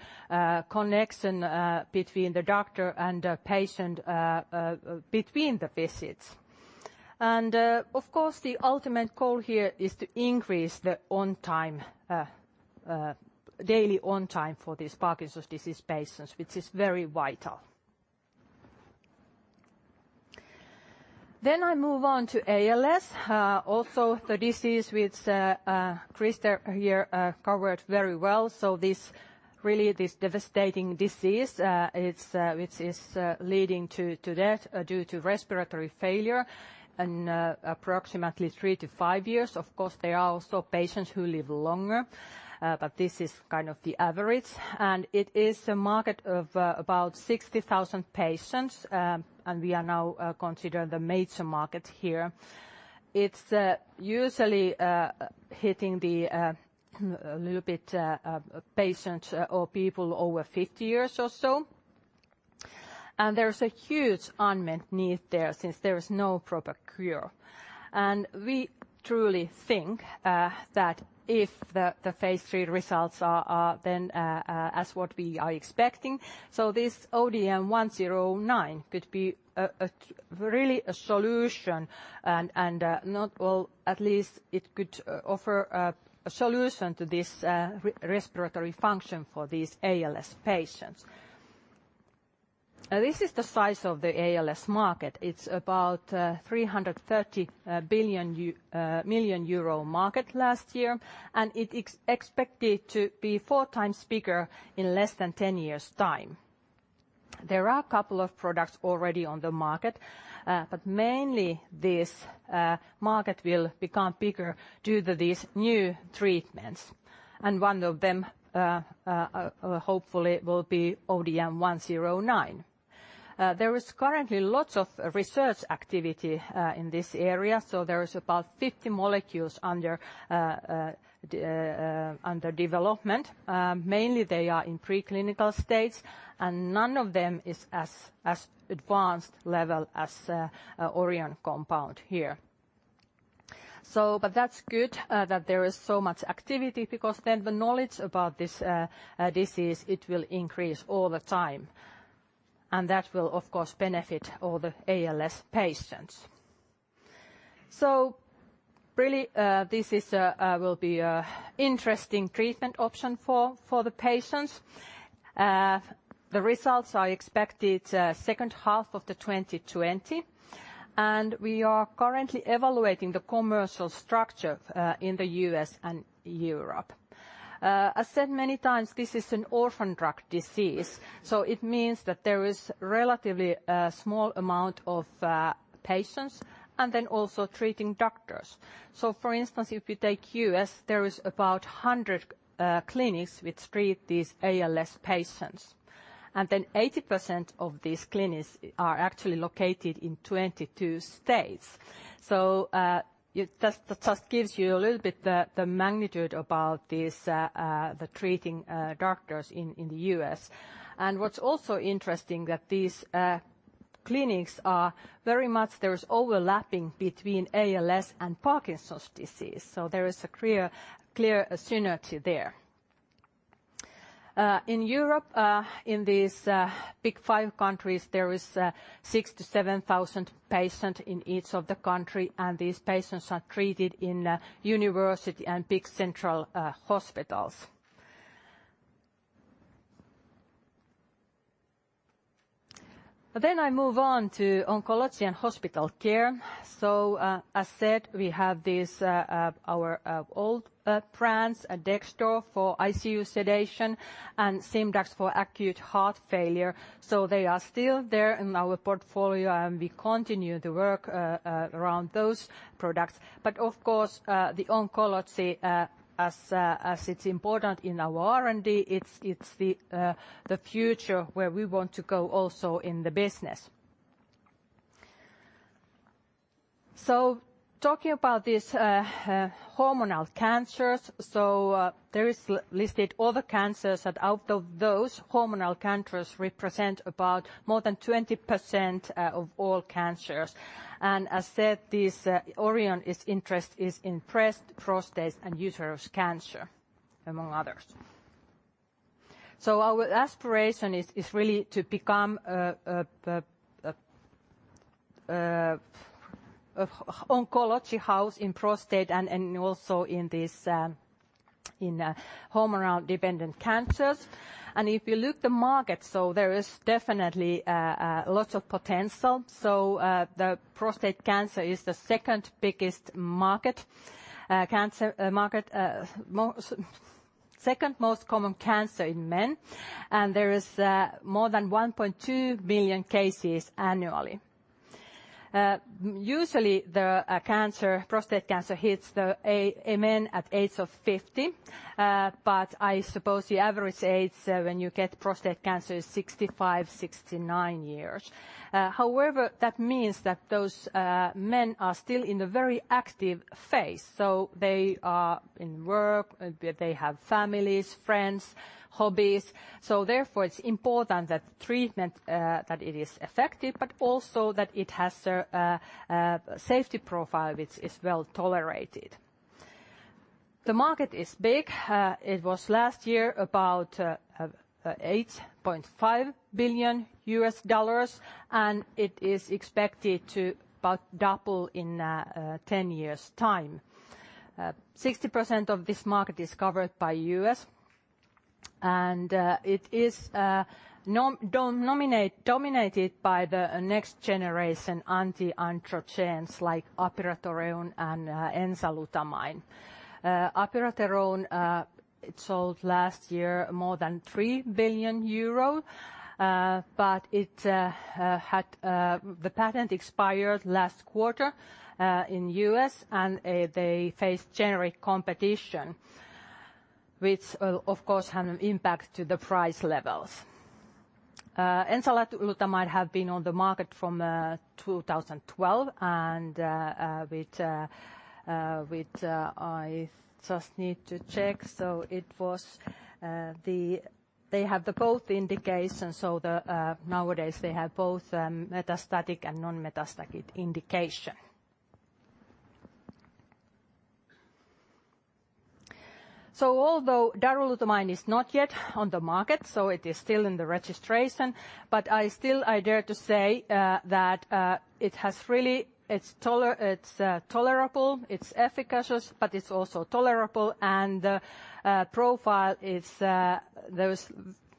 connection between the doctor and the patient between the visits. Of course, the ultimate goal here is to increase the daily on time for these Parkinson's disease patients, which is very vital. I move on to ALS, also the disease which Christer here covered very well. Really, this devastating disease is leading to death due to respiratory failure in approximately three to five years. Of course, there are also patients who live longer, but this is kind of the average. It is a market of about 60,000 patients. We are now considering the major market here. It's usually hitting the patients or people over 50 years or so. There is a huge unmet need there since there is no proper cure. We truly think that if the phase III results are then as what we are expecting, This ODM-109 could be really a solution and at least it could offer a solution to this respiratory function for these ALS patients. This is the size of the ALS market. It is about 330 million euro market last year, and it is expected to be 4 times bigger in less than 10 years' time. There are a couple of products already on the market, but mainly this market will become bigger due to these new treatments, and one of them hopefully will be ODM-1009. There is currently lots of research activity in this area, there is about 50 molecules under development. Mainly they are in preclinical states and none of them is as advanced level as Orion compound here. That is good that there is so much activity because the knowledge about this disease, it will increase all the time. That will, of course, benefit all the ALS patients. Really this will be an interesting treatment option for the patients. The results are expected second half of 2020, and we are currently evaluating the commercial structure in the U.S. and Europe. As said many times, this is an orphan drug disease, it means that there is relatively a small amount of patients and then also treating doctors. For instance, if you take U.S., there is about 100 clinics which treat these ALS patients, and then 80% of these clinics are actually located in 22 states. That just gives you a little bit the magnitude about the treating doctors in the U.S. What is also interesting that these clinics are very much there's overlapping between ALS and Parkinson's disease, There is a clear synergy there. In Europe, in these big 5 countries, there is 67,000 patient in each of the country, and these patients are treated in university and big central hospitals. I move on to oncology and hospital care. As said, we have these our old brands, Dexdor for ICU sedation and Simdax for acute heart failure. They are still there in our portfolio, and we continue to work around those products. Of course, the oncology, as it is important in our R&D, it is the future where we want to go also in the business. Talking about these hormonal cancers, there is listed all the cancers, and out of those, hormonal cancers represent about more than 20% of all cancers. As said, this Orion's interest is in breast, prostate, and uterus cancer, among others. Our aspiration is really to become an oncology house in prostate and also in hormonal-dependent cancers. If you look the market, there is definitely lots of potential. The prostate cancer is the second biggest market, second most common cancer in men, and there is more than 1.2 million cases annually. Usually the prostate cancer hits the men at age of 50, but I suppose the average age when you get prostate cancer is 65, 69 years. However, that means that those men are still in a very active phase. They are in work, they have families, friends, hobbies. Therefore, it is important that treatment that it is effective, but also that it has a safety profile which is well tolerated. The market is big. It was last year about $8.5 billion US dollars. It is expected to about double in 10 years' time. 60% of this market is covered by U.S. and it is dominated by the next generation anti-androgens like apalutamide and enzalutamide. apalutamide sold last year more than 3 billion euros, but the patent expired last quarter in U.S. and they face generic competition, which of course had an impact to the price levels. enzalutamide have been on the market from 2012, which I just need to check. They have the both indications. Nowadays they have both metastatic and non-metastatic indication. Although darolutamide is not yet on the market, it is still in the registration, I dare to say that it's efficacious, it's also tolerable and the profile, there is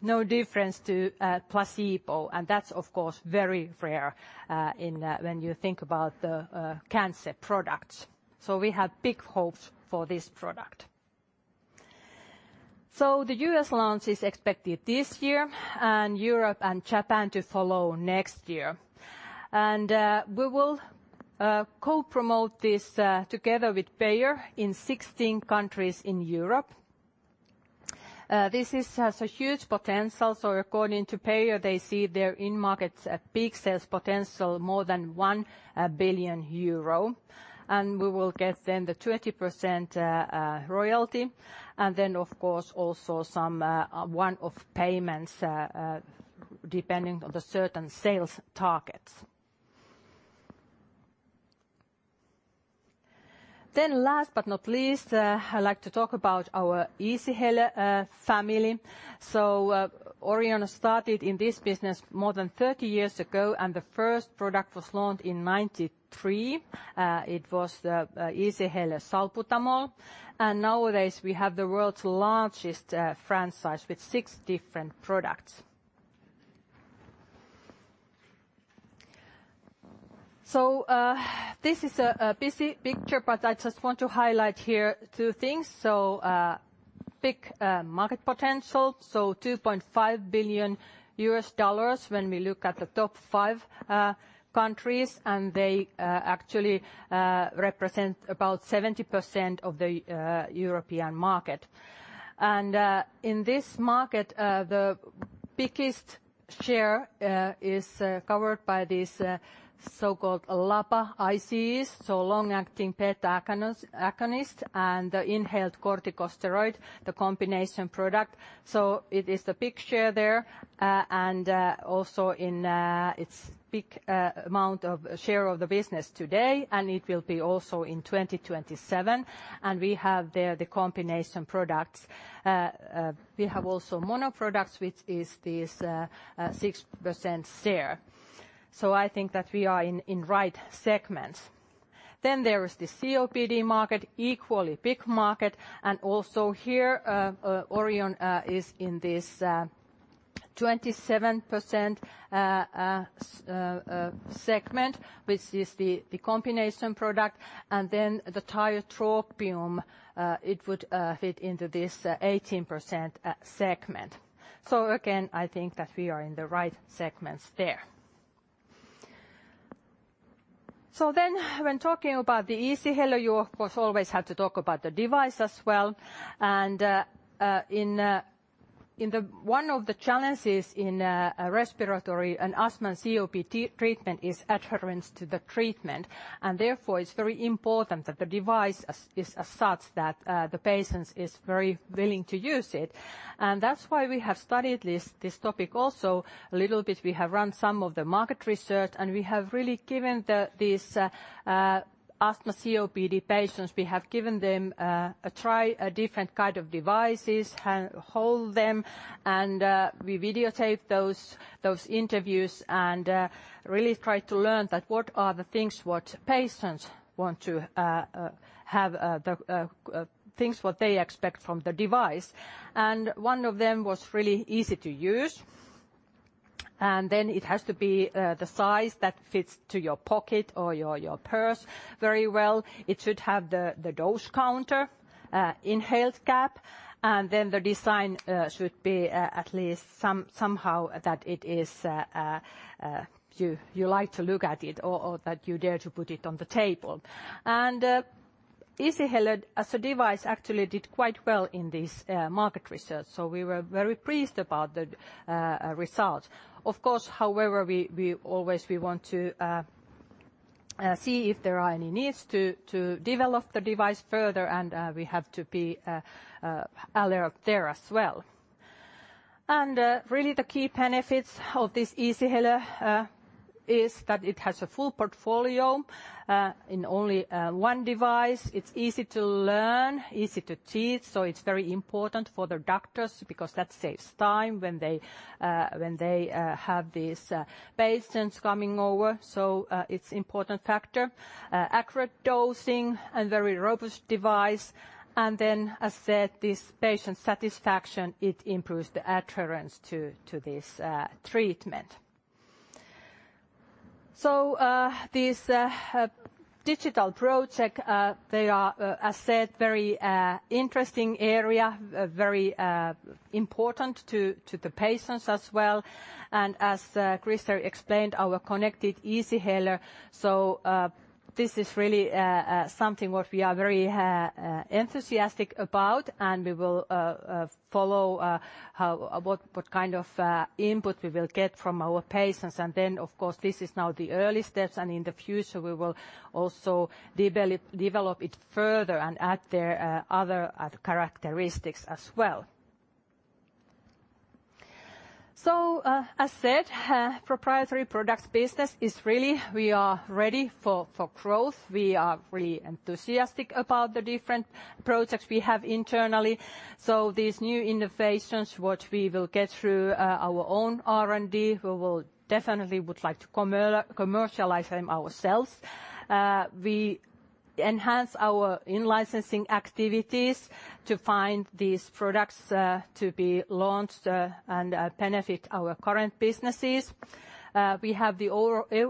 no difference to placebo and that's of course very rare when you think about the cancer products. We have big hopes for this product. The U.S. launch is expected this year and Europe and Japan to follow next year. We will co-promote this together with Bayer in 16 countries in Europe. This has a huge potential. According to Bayer, they see their in markets a big sales potential, more than 1 billion euro and we will get then the 20% royalty and then of course also some one-off payments, depending on the certain sales targets. Last but not least, I'd like to talk about our Easyhaler family. Orion started in this business more than 30 years ago. The first product was launched in 1993. It was the Easyhaler Salbutamol. Nowadays we have the world's largest franchise with six different products. This is a busy picture, but I just want to highlight here two things. Big market potential. $2.5 billion US when we look at the top five countries. They actually represent about 70% of the European market. In this market, the biggest share is covered by this so-called LABA/ICS, long-acting beta-agonist and the inhaled corticosteroid, the combination product. It is a big share there, and also it's big amount of share of the business today and it will be also in 2027 and we have there the combination products. We have also mono products which is this 6% share. I think that we are in right segments. There is the COPD market, equally big market and also here, Orion is in this 27% segment, which is the combination product and then the tiotropium, it would fit into this 18% segment. Again, I think that we are in the right segments there. When talking about the Easyhaler, you of course always have to talk about the device as well and one of the challenges in respiratory and asthma and COPD treatment is adherence to the treatment. Therefore it's very important that the device is as such that the patients is very willing to use it and that's why we have studied this topic also a little bit. We have run some of the market research. We have really given these asthma COPD patients, try different kinds of devices, hold them. We videotape those interviews and really try to learn what patients want to have, what they expect from the device. One of them was really easy to use. It has to be the size that fits to your pocket or your purse very well. It should have the dose counter, inhale gap. The design should be at least somehow that you like to look at it or that you dare to put it on the table. Easyhaler as a device actually did quite well in this market research. We were very pleased about the results. Of course, however, we always want to see if there are any needs to develop the device further and we have to be alert there as well. Really the key benefits of this Easyhaler is that it has a full portfolio in only one device. It's easy to learn, easy to teach. It's very important for the doctors because that saves time when they have these patients coming over. It's important factor. Accurate dosing and very robust device. As said, this patient satisfaction, it improves the adherence to this treatment. These digital projects, they are, as said, very interesting area, very important to the patients as well. As Christer explained, our connected Easyhaler, this is really something what we are very enthusiastic about. We will follow what kind of input we will get from our patients. Of course, this is now the early steps. In the future, we will also develop it further and add other characteristics as well. As said, proprietary products business is really, we are ready for growth. We are really enthusiastic about the different projects we have internally. These new innovations, what we will get through our own R&D, we will definitely would like to commercialize them ourselves. We enhance our in-licensing activities to find these products to be launched and benefit our current businesses. We have the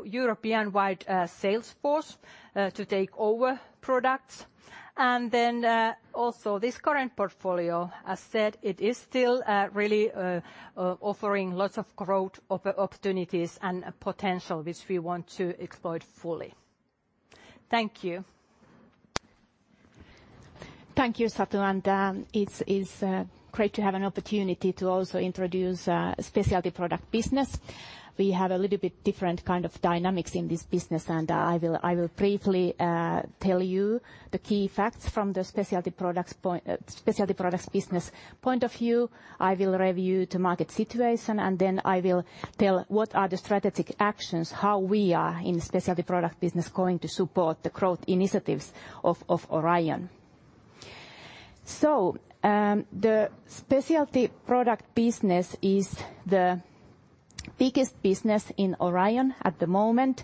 European-wide sales force to take over products. Also this current portfolio, as said, it is still really offering lots of growth opportunities and potential, which we want to exploit fully. Thank you. Thank you, Satu. It's great to have an opportunity to also introduce specialty product business. We have a little bit different kind of dynamics in this business. I will briefly tell you the key facts from the specialty products business point of view. I will review the market situation. I will tell what are the strategic actions, how we are in specialty product business going to support the growth initiatives of Orion. The specialty product business is the biggest business in Orion at the moment.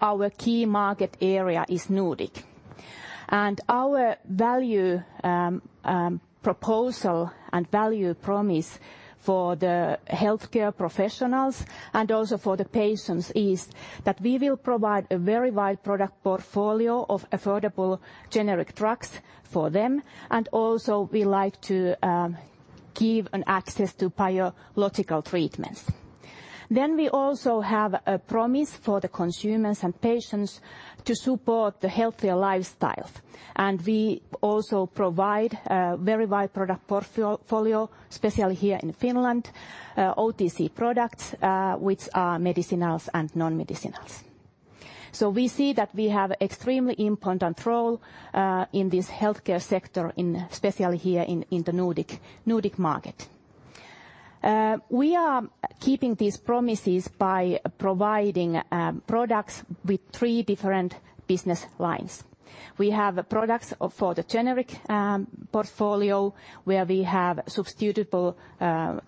Our key market area is Nordic. Our value proposal and value promise for the healthcare professionals and also for the patients is that we will provide a very wide product portfolio of affordable generic drugs for them. We like to give an access to biological treatments. We also have a promise for the consumers and patients to support the healthier lifestyles. We also provide a very wide product portfolio, especially here in Finland, OTC products, which are medicinals and non-medicinals. We see that we have extremely important role in this healthcare sector, especially here in the Nordic market. We are keeping these promises by providing products with three different business lines. We have products for the generic portfolio, where we have substitutable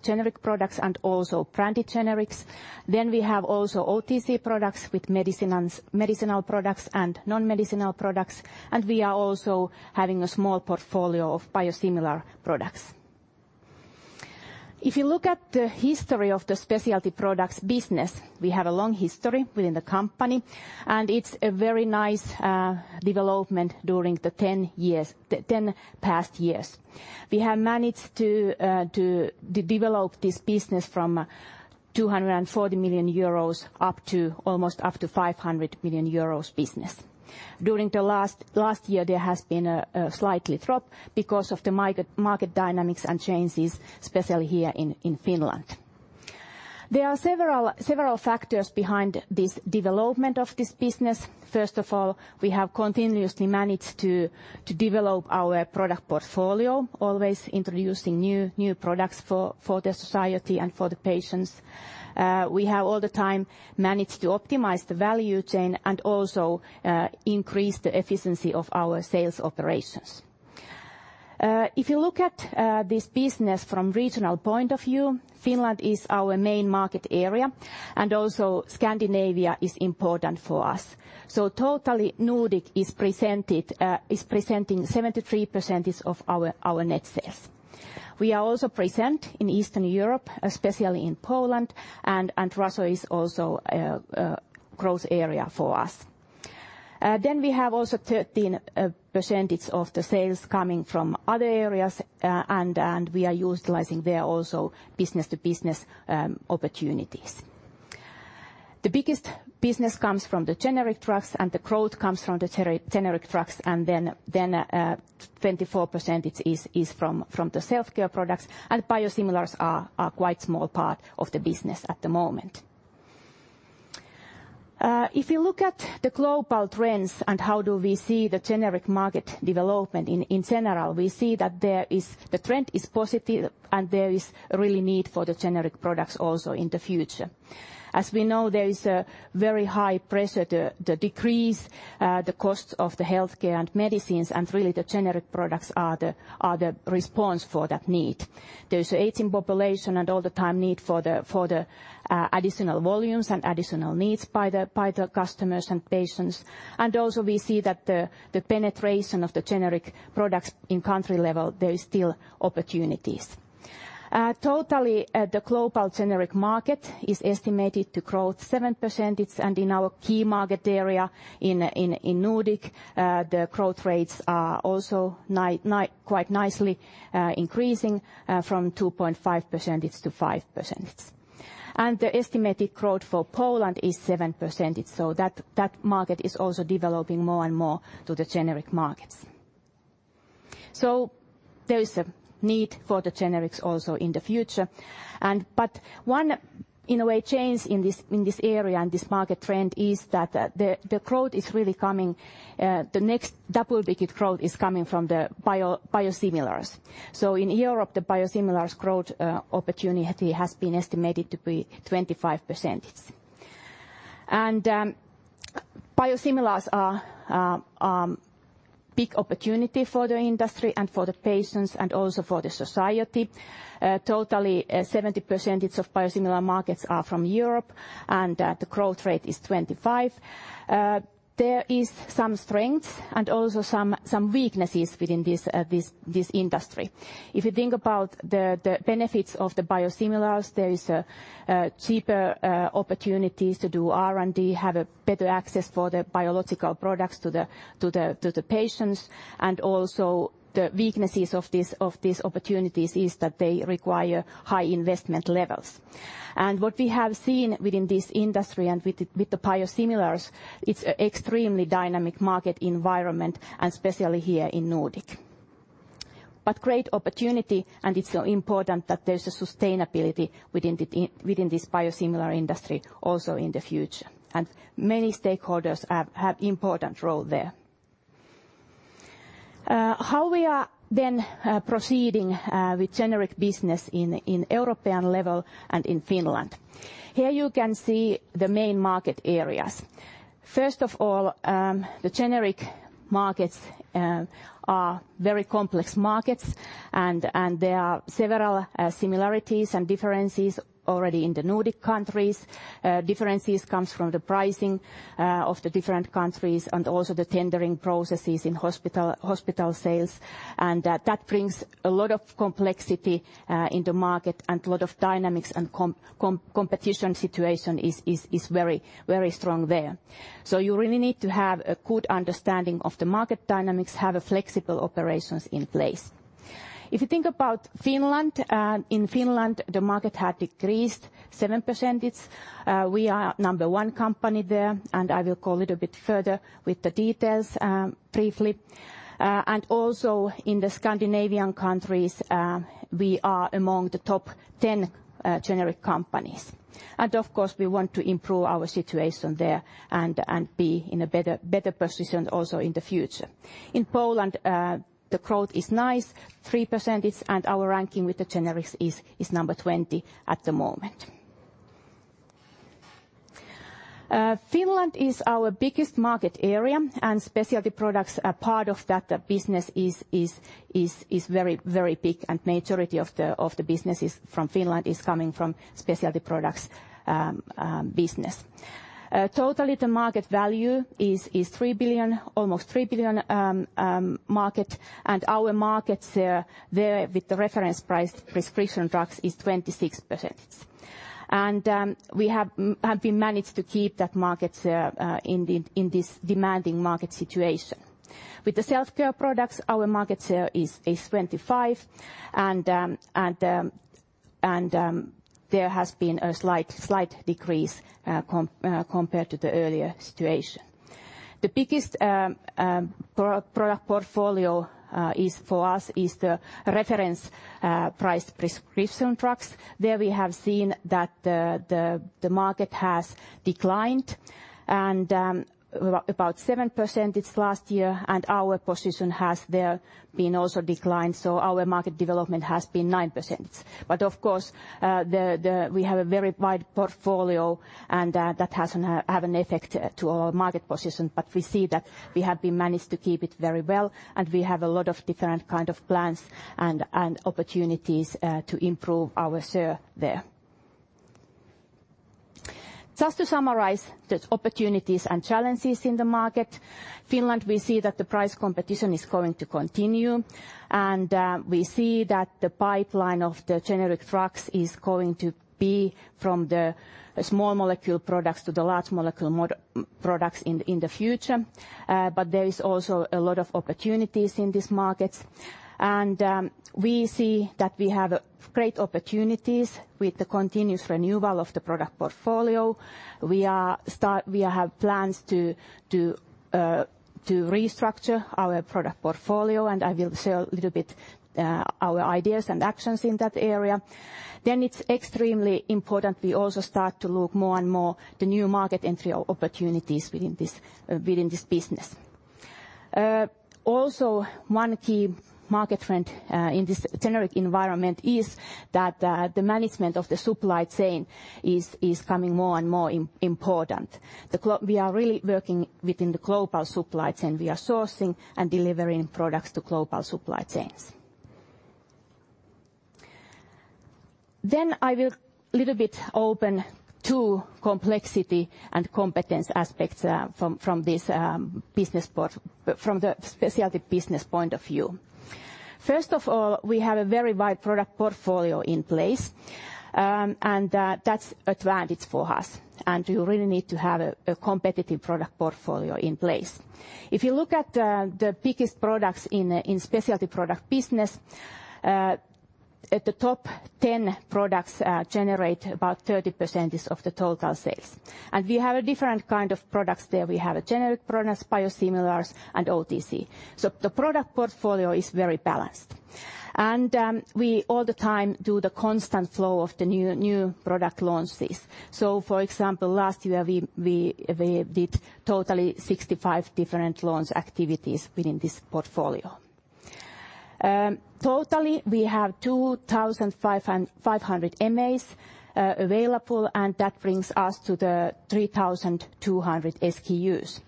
generic products and also branded generics. We also have OTC products with medicinal products and non-medicinal products, and we are also having a small portfolio of biosimilar products. If you look at the history of the specialty products business, we have a long history within the company, and it is a very nice development during the 10 past years. We have managed to develop this business from 240 million euros up to almost up to 500 million euros business. During the last year, there has been a slight drop because of the market dynamics and changes, especially here in Finland. There are several factors behind this development of this business. First of all, we have continuously managed to develop our product portfolio, always introducing new products for the society and for the patients. We have all the time managed to optimize the value chain and also increase the efficiency of our sales operations. If you look at this business from regional point of view, Finland is our main market area, and also Scandinavia is important for us. Totally Nordic is presenting 73% of our net sales. We are also present in Eastern Europe, especially in Poland, and Russia is also a growth area for us. We also have 13% of the sales coming from other areas, and we are utilizing there also business-to-business opportunities. The biggest business comes from the generic drugs, and the growth comes from the generic drugs, and 24% is from the self-care products, and biosimilars are quite small part of the business at the moment. If you look at the global trends and how do we see the generic market development in general, we see that the trend is positive and there is really need for the generic products also in the future. As we know, there is a very high pressure to decrease the cost of the healthcare and medicines, and really the generic products are the response for that need. There is an aging population and all the time need for the additional volumes and additional needs by the customers and patients. We also see that the penetration of the generic products in country level, there is still opportunities. Totally, the global generic market is estimated to grow 7%, and in our key market area in Nordic, the growth rates are also quite nicely increasing from 2.5%-5%. The estimated growth for Poland is 7%, so that market is also developing more and more to the generic markets. There is a need for the generics also in the future. One, in a way, change in this area and this market trend is that the growth is really coming, the next double-digit growth is coming from the biosimilars. In Europe, the biosimilars growth opportunity has been estimated to be 25%. Biosimilars are big opportunity for the industry and for the patients and also for the society. 70% of biosimilar markets are from Europe. The growth rate is 25%. There are some strengths and also some weaknesses within this industry. If you think about the benefits of the biosimilars, there are cheaper opportunities to do R&D, have a better access for the biological products to the patients. Also the weaknesses of these opportunities is that they require high investment levels. What we have seen within this industry and with the biosimilars, it is extremely dynamic market environment, especially here in Nordic. Great opportunity, and it is important that there is a sustainability within this biosimilar industry also in the future. Many stakeholders have important role there. How we are proceeding with generic business in European level and in Finland? Here you can see the main market areas. First of all, the generic markets are very complex markets. There are several similarities and differences already in the Nordic countries. Differences comes from the pricing of the different countries and also the tendering processes in hospital sales. That brings a lot of complexity in the market and a lot of dynamics and competition situation is very strong there. You really need to have a good understanding of the market dynamics, have flexible operations in place. If you think about Finland, in Finland, the market had decreased 7%. We are number 1 company there. I will go a little bit further with the details briefly. Also in the Scandinavian countries, we are among the top 10 generic companies. Of course, we want to improve our situation there and be in a better position also in the future. In Poland, the growth is nice, 3%. Our ranking with the generics is number 20 at the moment. Finland is our biggest market area, and specialty products are part of that business is very big. Majority of the business from Finland is coming from specialty products business. The market value is almost 3 billion market, and our market there with the reference price prescription drugs is 26%. We have managed to keep that market share in this demanding market situation. With the self-care products, our market share is 25%, and there has been a slight decrease compared to the earlier situation. The biggest product portfolio for us is the reference priced prescription drugs. There we have seen that the market has declined about 7% last year. Our position has there been also declined, so our market development has been 9%. Of course, we have a very wide portfolio. That has an effect to our market position. We see that we have been managed to keep it very well, and we have a lot of different kind of plans and opportunities to improve our share there. Just to summarize the opportunities and challenges in the market. In Finland, we see that the price competition is going to continue. We see that the pipeline of the generic drugs is going to be from the small molecule products to the large molecule products in the future. There is also a lot of opportunities in this market. We see that we have great opportunities with the continuous renewal of the product portfolio. We have plans to restructure our product portfolio. I will share a little bit our ideas and actions in that area. It's extremely important we also start to look more and more the new market entry opportunities within this business. One key market trend in this generic environment is that the management of the supply chain is becoming more and more important. We are really working within the global supply chain. We are sourcing and delivering products to global supply chains. I will little bit open to complexity and competence aspects from the specialty business point of view. First of all, we have a very wide product portfolio in place, and that's advantage for us, and you really need to have a competitive product portfolio in place. If you look at the biggest products in specialty product business. The top 10 products generate about 30% of the total sales. We have a different kind of products there. We have generic products, biosimilars, and OTC. The product portfolio is very balanced. We all the time do the constant flow of the new product launches. For example, last year we did totally 65 different launch activities within this portfolio. Totally we have 2,500 MAs available, and that brings us to the 3,200 SKUs.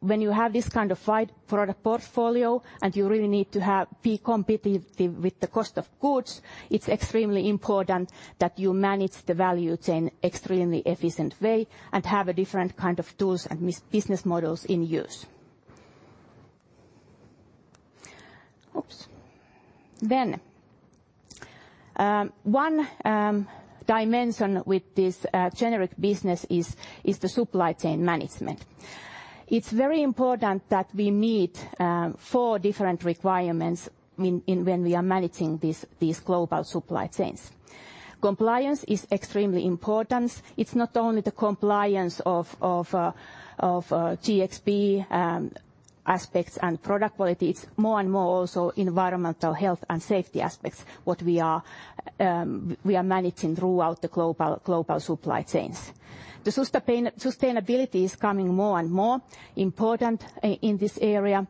When you have this kind of wide product portfolio and you really need to be competitive with the cost of goods, it's extremely important that you manage the value chain extremely efficient way and have a different kind of tools and business models in use. One dimension with this generic business is the supply chain management. It's very important that we meet four different requirements when we are managing these global supply chains. Compliance is extremely important. It's not only the compliance of GxP aspects and product quality, it's more and more also environmental health and safety aspects what we are managing throughout the global supply chains. The sustainability is becoming more and more important in this area,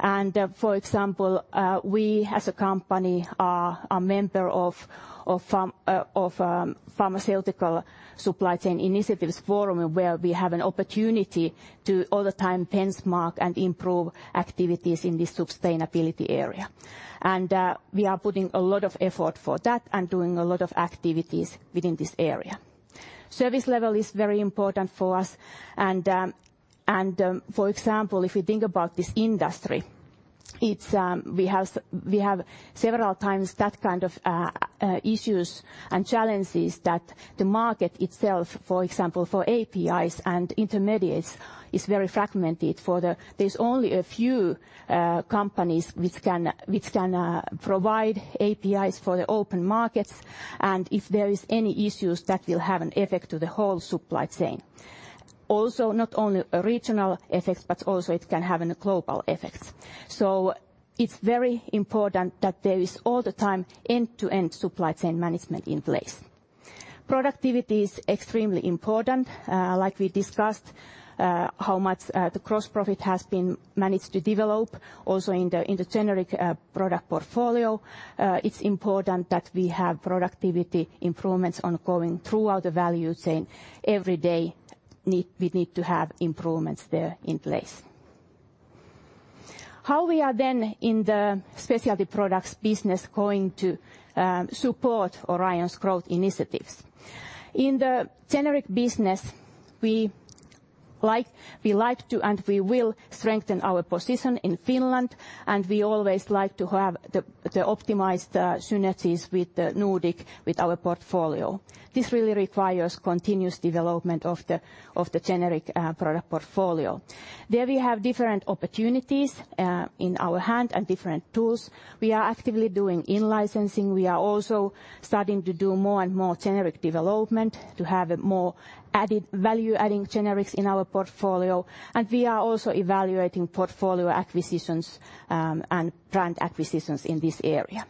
and for example, we as a company are a member of Pharmaceutical Supply Chain Initiative forum, where we have an opportunity to all the time benchmark and improve activities in this sustainability area. We are putting a lot of effort for that and doing a lot of activities within this area. Service level is very important for us and for example, if you think about this industry, we have several times that kind of issues and challenges that the market itself, for example, for APIs and intermediates, is very fragmented. There's only a few companies which can provide APIs for the open markets, and if there is any issues that will have an effect to the whole supply chain. Not only regional effects, but also it can have a global effect. It's very important that there is all the time end-to-end supply chain management in place. Productivity is extremely important. Like we discussed, how much the gross profit has been managed to develop also in the generic product portfolio. It's important that we have productivity improvements ongoing throughout the value chain. Every day we need to have improvements there in place. How we are in the specialty products business going to support Orion's growth initiatives? In the generic business, we like to and we will strengthen our position in Finland. We always like to have the optimized synergies with the Nordic, with our portfolio. This really requires continuous development of the generic product portfolio. There we have different opportunities in our hand and different tools. We are actively doing in-licensing. We are also starting to do more and more generic development to have more value-adding generics in our portfolio. We are also evaluating portfolio acquisitions, and brand acquisitions in this area.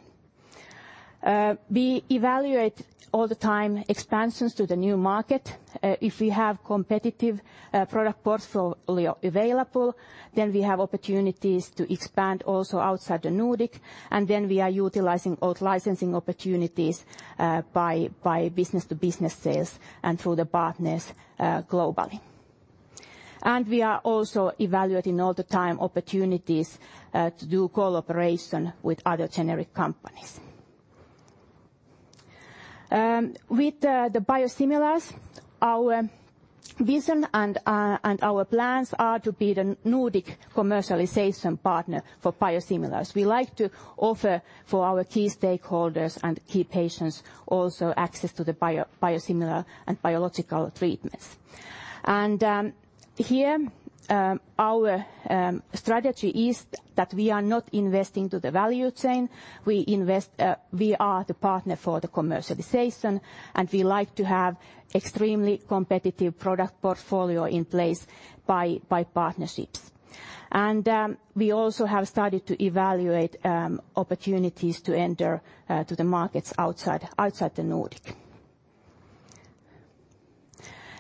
We evaluate all the time expansions to the new market. If we have competitive product portfolio available, we have opportunities to expand also outside the Nordic. We are utilizing out-licensing opportunities, by business to business sales and through the partners globally. We are also evaluating all the time opportunities to do cooperation with other generic companies. With the biosimilars, our vision and our plans are to be the Nordic commercialization partner for biosimilars. We like to offer for our key stakeholders and key patients also access to the biosimilar and biological treatments. Here, our strategy is that we are not investing to the value chain, we are the partner for the commercialization, and we like to have extremely competitive product portfolio in place by partnerships. We also have started to evaluate opportunities to enter to the markets outside the Nordic.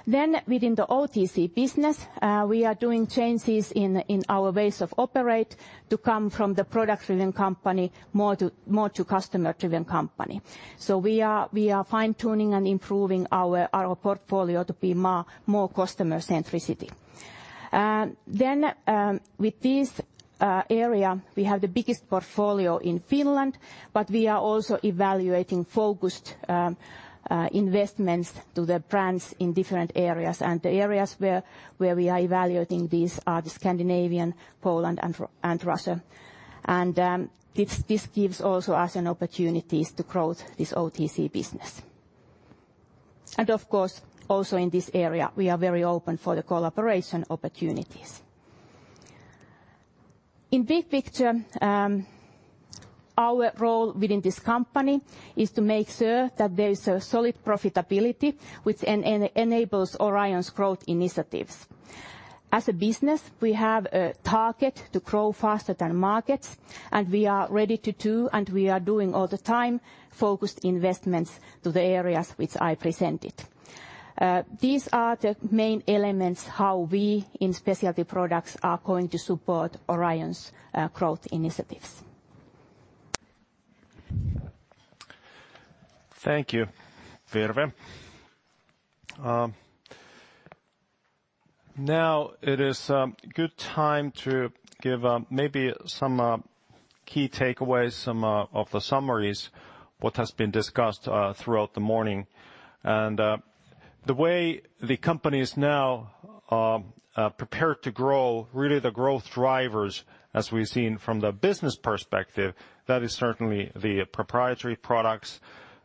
Within the OTC business, we are doing changes in our ways of operate to come from the product-driven company more to customer-driven company. We are fine-tuning and improving our portfolio to be more customer centricity. With this area, we have the biggest portfolio in Finland, but we are also evaluating focused investments to the brands in different areas. The areas where we are evaluating these are the Scandinavian, Poland, and Russia. This gives also us opportunities to grow this OTC business. Of course, also in this area, we are very open for the cooperation opportunities. In big picture, our role within this company is to make sure that there is a solid profitability which enables Orion's growth initiatives. As a business, we have a target to grow faster than markets, and we are ready to do, and we are doing all the time, focused investments to the areas which I presented. These are the main elements how we in specialty products are going to support Orion's growth initiatives. Thank you, Virve. Now it is good time to give maybe some key takeaways, some of the summaries, what has been discussed throughout the morning. The way the company is now prepared to grow, really the growth drivers as we've seen from the business perspective, that is certainly the proprietary products,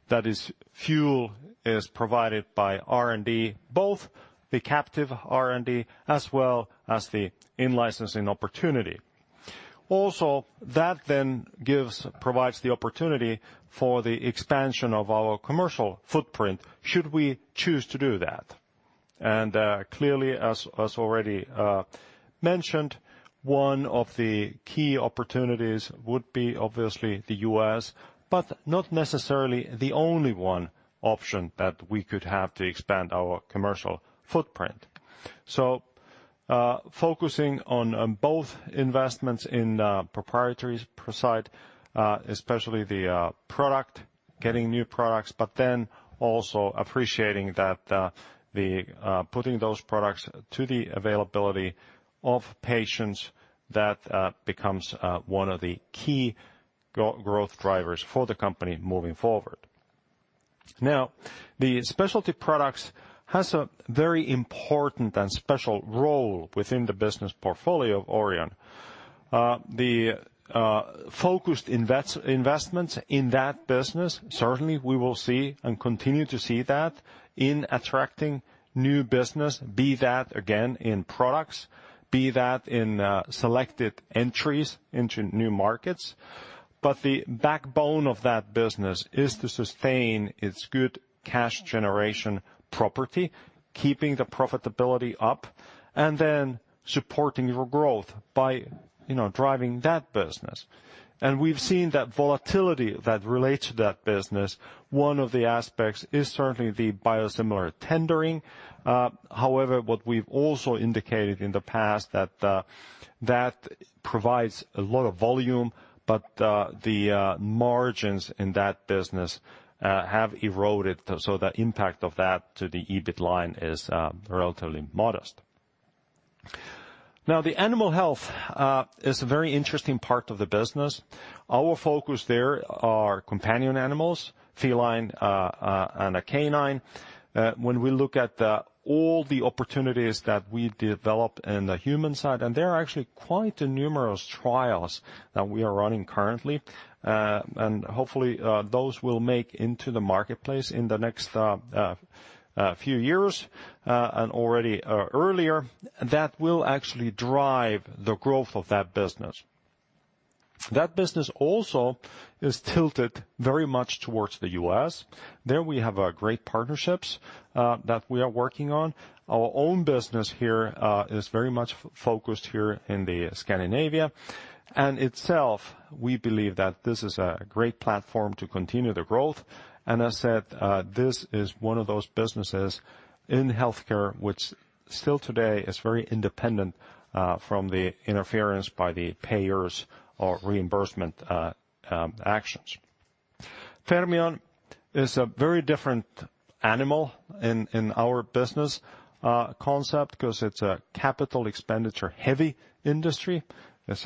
that is fuel is provided by R&D, both the captive R&D as well as the in-licensing opportunity. Also, that provides the opportunity for the expansion of our commercial footprint, should we choose to do that. Clearly as already mentioned, one of the key opportunities would be obviously the U.S., but not necessarily the only one option that we could have to expand our commercial footprint. Focusing on both investments in proprietaries per se, especially the product, getting new products, also appreciating that putting those products to the availability of patients that becomes one of the key growth drivers for the company moving forward. The Specialty Products has a very important and special role within the business portfolio of Orion. The focused investments in that business, certainly we will see and continue to see that in attracting new business, be that again in products, be that in selected entries into new markets. The backbone of that business is to sustain its good cash generation property, keeping the profitability up, supporting your growth by driving that business. We've seen that volatility that relates to that business. One of the aspects is certainly the biosimilar tendering. However, what we've also indicated in the past that provides a lot of volume, but the margins in that business have eroded, so the impact of that to the EBIT line is relatively modest. The animal health is a very interesting part of the business. Our focus there are companion animals, feline and canine. When we look at all the opportunities that we develop in the human side, and there are actually quite numerous trials that we are running currently, hopefully those will make into the marketplace in the next few years, and already earlier, that will actually drive the growth of that business. That business also is tilted very much towards the U.S. There we have great partnerships that we are working on. Our own business here is very much focused here in Scandinavia. Itself, we believe that this is a great platform to continue the growth. As said, this is one of those businesses in healthcare which still today is very independent from the interference by the payers or reimbursement actions. Fermion is a very different animal in our business concept because it's a capital expenditure heavy industry. Its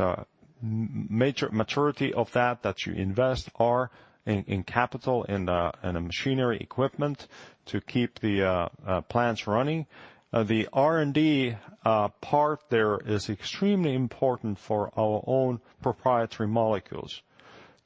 maturity of that you invest are in capital in a machinery equipment to keep the plants running. The R&D part there is extremely important for our own proprietary molecules.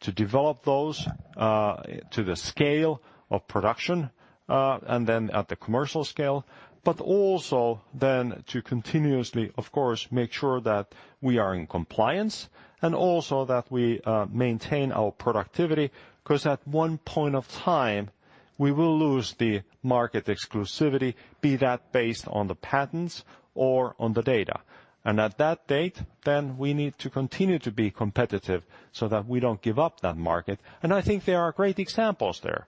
To develop those to the scale of production, and then at the commercial scale, but also to continuously, of course, make sure that we are in compliance and also that we maintain our productivity because at one point of time we will lose the market exclusivity, be that based on the patents or on the data. At that date, we need to continue to be competitive so that we don't give up that market. I think there are great examples there.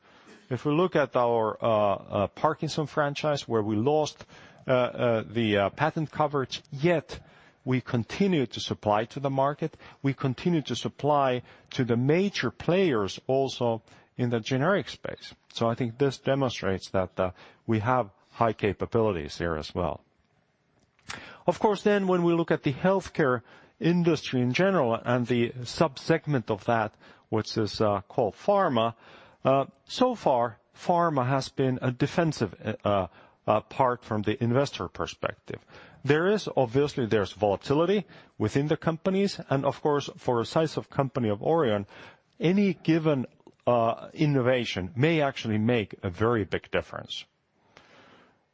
If we look at our Parkinson franchise where we lost the patent coverage, yet we continue to supply to the market, we continue to supply to the major players also in the generic space. I think this demonstrates that we have high capabilities there as well. Of course when we look at the healthcare industry in general and the subsegment of that which is called pharma, so far pharma has been a defensive part from the investor perspective. Obviously there's volatility within the companies and of course for a size of company of Orion, any given innovation may actually make a very big difference.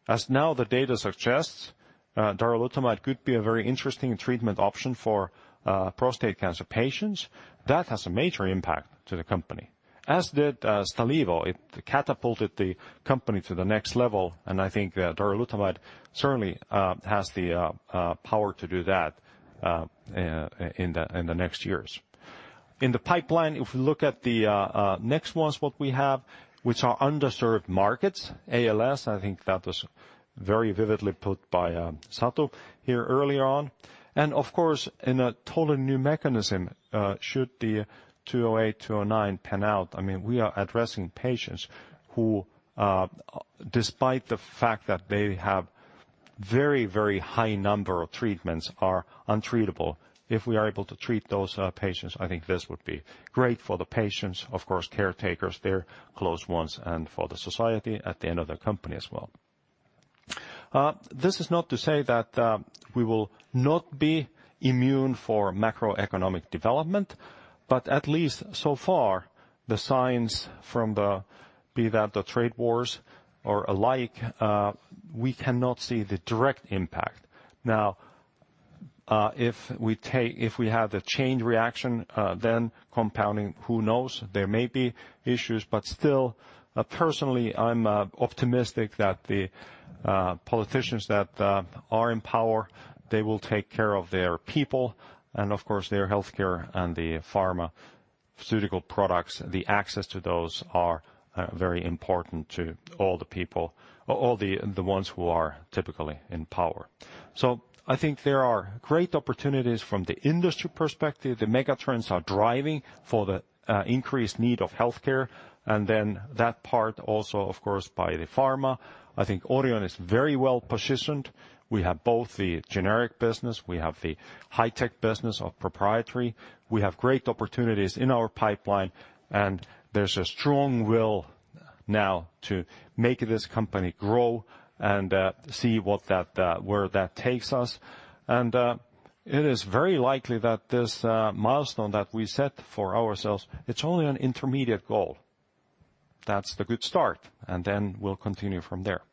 As now the data suggests, darolutamide could be a very interesting treatment option for prostate cancer patients. That has a major impact to the company, as did Stalevo. It catapulted the company to the next level, and I think darolutamide certainly has the power to do that in the next years. In the pipeline, if we look at the next ones, what we have, which are underserved markets, ALS, I think that was very vividly put by Satu here earlier on. Of course, in a totally new mechanism, should the 208/209 pan out, we are addressing patients who, despite the fact that they have very high number of treatments, are untreatable. If we are able to treat those patients, I think this would be great for the patients, of course, caretakers, their close ones, and for the society at the end of the company as well. This is not to say that we will not be immune for macroeconomic development, at least so far, the signs from the, be that the trade wars or alike, we cannot see the direct impact. If we have the chain reaction, then compounding, who knows? There may be issues, still, personally, I'm optimistic that the politicians that are in power, they will take care of their people and of course, their healthcare and the pharmaceutical products, the access to those are very important to all the people, all the ones who are typically in power. I think there are great opportunities from the industry perspective. The mega trends are driving for the increased need of healthcare and then that part also, of course, by the pharma. I think Orion is very well-positioned. We have both the generic business, we have the high tech business of proprietary. We have great opportunities in our pipeline, there's a strong will now to make this company grow and see where that takes us. It is very likely that this milestone that we set for ourselves, it's only an intermediate goal. That's the good start, and then we'll continue from there.